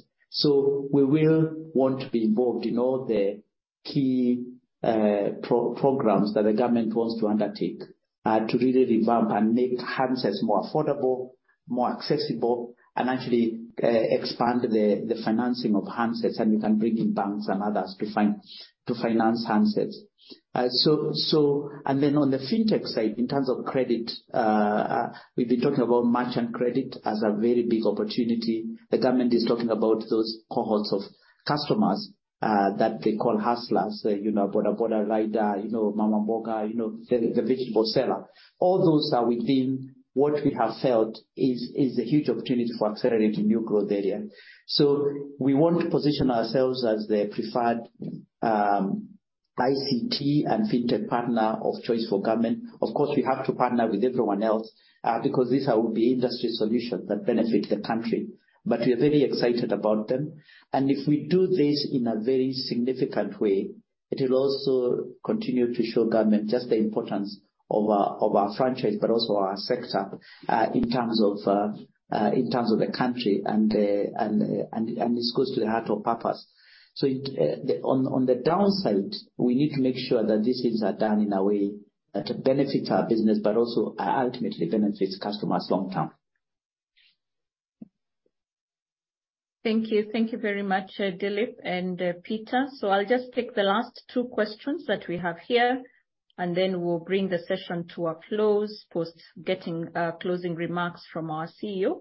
We will want to be involved in all the key programs that the government wants to undertake to really revamp and make handsets more affordable, more accessible, and actually expand the financing of handsets, and we can bring in banks and others to finance handsets. Then on the fintech side, in terms of credit, we've been talking about merchant credit as a very big opportunity. The government is talking about those cohorts of customers that they call hustlers. You know, boda boda rider, you know, mama mboga, you know, the vegetable seller. All those are within what we have felt is a huge opportunity for accelerating new growth area. We want to position ourselves as the preferred ICT and fintech partner of choice for government. Of course, we have to partner with everyone else because these will be industry solutions that benefit the country. We're very excited about them. If we do this in a very significant way, it'll also continue to show government just the importance of our franchise, but also our sector in terms of the country and this goes to the heart of purpose. On the downside, we need to make sure that these things are done in a way that benefit our business but also ultimately benefits customers long term. Thank you. Thank you very much, Dilip Pal and Peter Ndegwa. I'll just take the last two questions that we have here, and then we'll bring the session to a close post getting closing remarks from our CEO.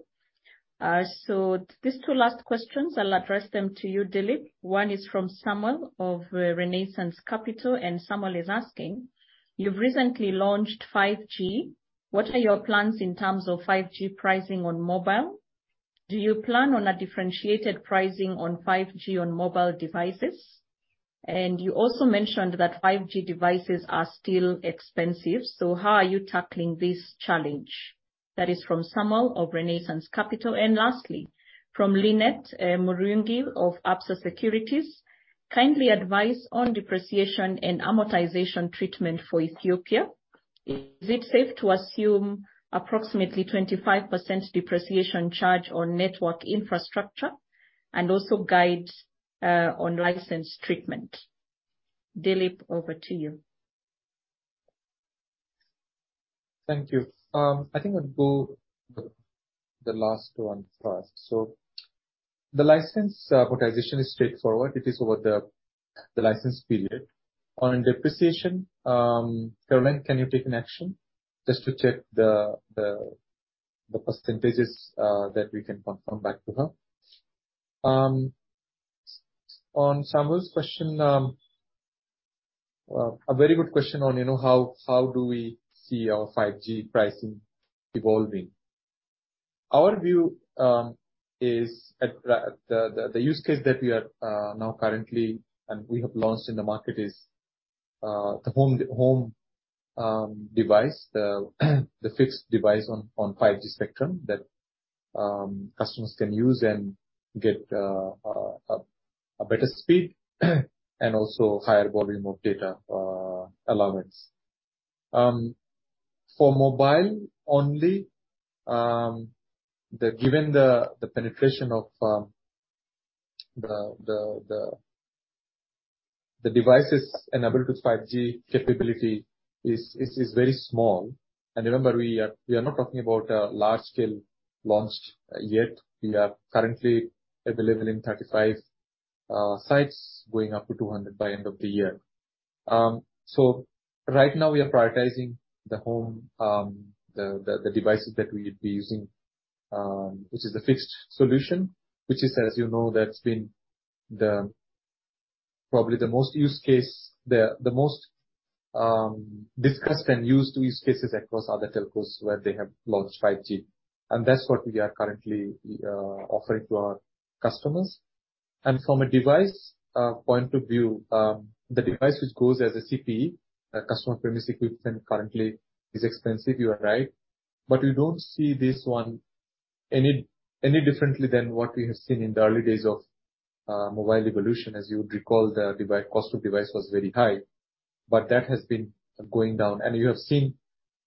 These two last questions, I'll address them to you, Dilip Pal. One is from Samuel Njihia of Renaissance Capital, and Samuel Njihia is asking: You've recently launched 5G. What are your plans in terms of 5G pricing on mobile? Do you plan on a differentiated pricing on 5G on mobile devices? And you also mentioned that 5G devices are still expensive, so how are you tackling this challenge? That is from Samuel Njihia of Renaissance Capital. Lastly, from Linette Murungi of Absa Securities: Kindly advise on depreciation and amortization treatment for Ethiopia. Is it safe to assume approximately 25% depreciation charge on network infrastructure? Also guidance on license treatment. Dilip, over to you. Thank you. I think I'll go the last one first. The license amortization is straightforward. It is over the license period. On depreciation, Caroline, can you take an action just to check the percentages that we can confirm back to her. On Samuel's question, a very good question on, you know, how do we see our 5G pricing evolving. Our view is that the use case that we are now currently and we have launched in the market is the home device. The fixed device on 5G spectrum that customers can use and get a better speed and also higher volume of data allowance. For mobile only, the. Given the penetration of the devices enabled with 5G capability is very small. Remember we are not talking about a large scale launch yet. We are currently available in 35 sites going up to 200 by end of the year. Right now we are prioritizing the home devices that we'd be using, which is the fixed solution. Which is, as you know, that's been probably the most used case. The most discussed and used use cases across other telcos where they have launched 5G, and that's what we are currently offering to our customers. From a device point of view, the device which goes as a CPE, a customer premises equipment currently is expensive. You are right. We don't see this one any differently than what we have seen in the early days of mobile evolution. As you would recall, the device cost of device was very high, but that has been going down. You have seen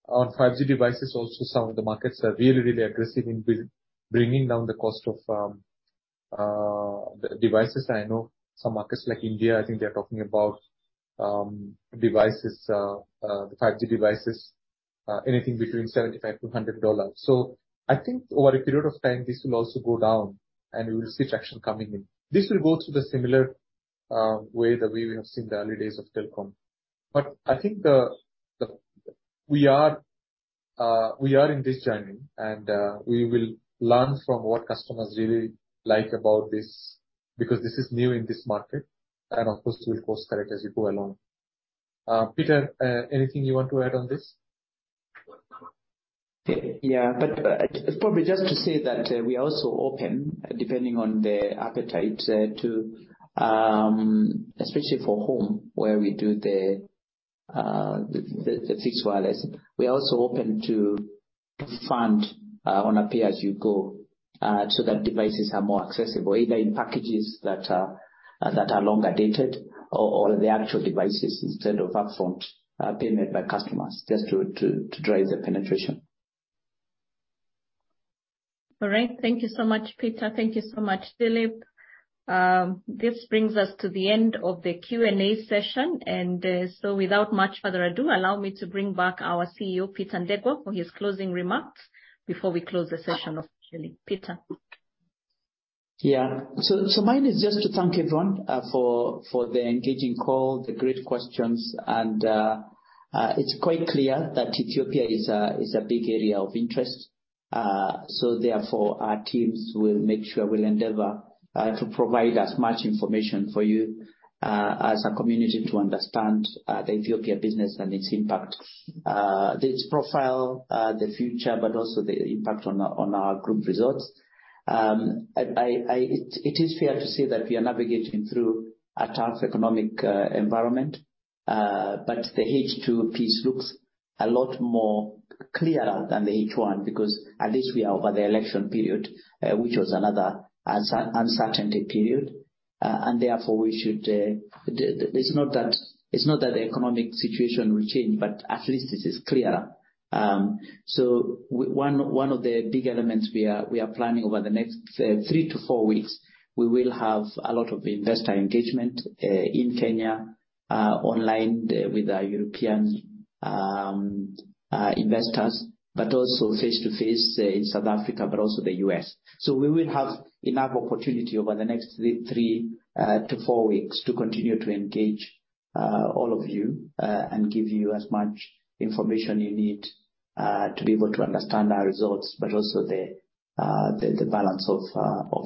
on 5G devices also some of the markets are really aggressive in bringing down the cost of devices. I know some markets like India. I think they're talking about devices, the 5G devices, anything between $75-$100. I think over a period of time this will also go down and we will see traction coming in. This will go through the similar way that we have seen the early days of telecom. I think we are in this journey and we will learn from what customers really like about this, because this is new in this market and of course we'll course correct as we go along. Peter, anything you want to add on this? Probably just to say that we are also open, depending on the appetite, to especially for home, where we do the fixed wireless. We are also open to fund on a pay-as-you-go, so that devices are more accessible, either in packages that are longer dated or the actual devices, instead of upfront payment by customers, just to drive the penetration. All right. Thank you so much, Peter. Thank you so much, Dilip. This brings us to the end of the Q&A session. Without much further ado, allow me to bring back our CEO, Peter Ndegwa, for his closing remarks before we close the session officially. Peter. Mine is just to thank everyone for the engaging call, the great questions, and it's quite clear that Ethiopia is a big area of interest. Therefore, our teams will endeavor to provide as much information for you as a community to understand the Ethiopia business and its impact, its profile, the future, but also the impact on our group results. It is fair to say that we are navigating through a tough economic environment. The H2 piece looks a lot more clearer than the H1, because at least we are over the election period, which was another uncertainty period. Therefore we should, it's not that the economic situation will change, but at least it is clearer. One of the big elements we are planning over the next three to four weeks, we will have a lot of investor engagement in Kenya, online with our European investors. Also face-to-face in South Africa, but also the US. We will have enough opportunity over the next three to four weeks to continue to engage all of you and give you as much information you need to be able to understand our results, but also the balance of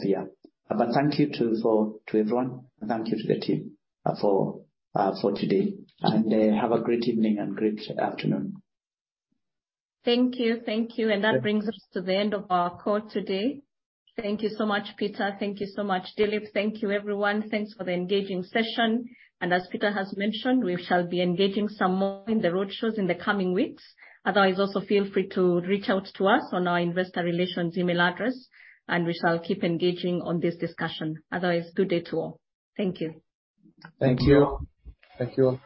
the year. Thank you to everyone, and thank you to the team for today. Have a great evening and great afternoon. Thank you. That brings us to the end of our call today. Thank you so much, Peter. Thank you so much, Dilip. Thank you, everyone. Thanks for the engaging session. As Peter has mentioned, we shall be engaging some more in the roadshows in the coming weeks. Otherwise, also feel free to reach out to us on our investor relations email address, and we shall keep engaging on this discussion. Otherwise, good day to all. Thank you. Thank you. Thank you.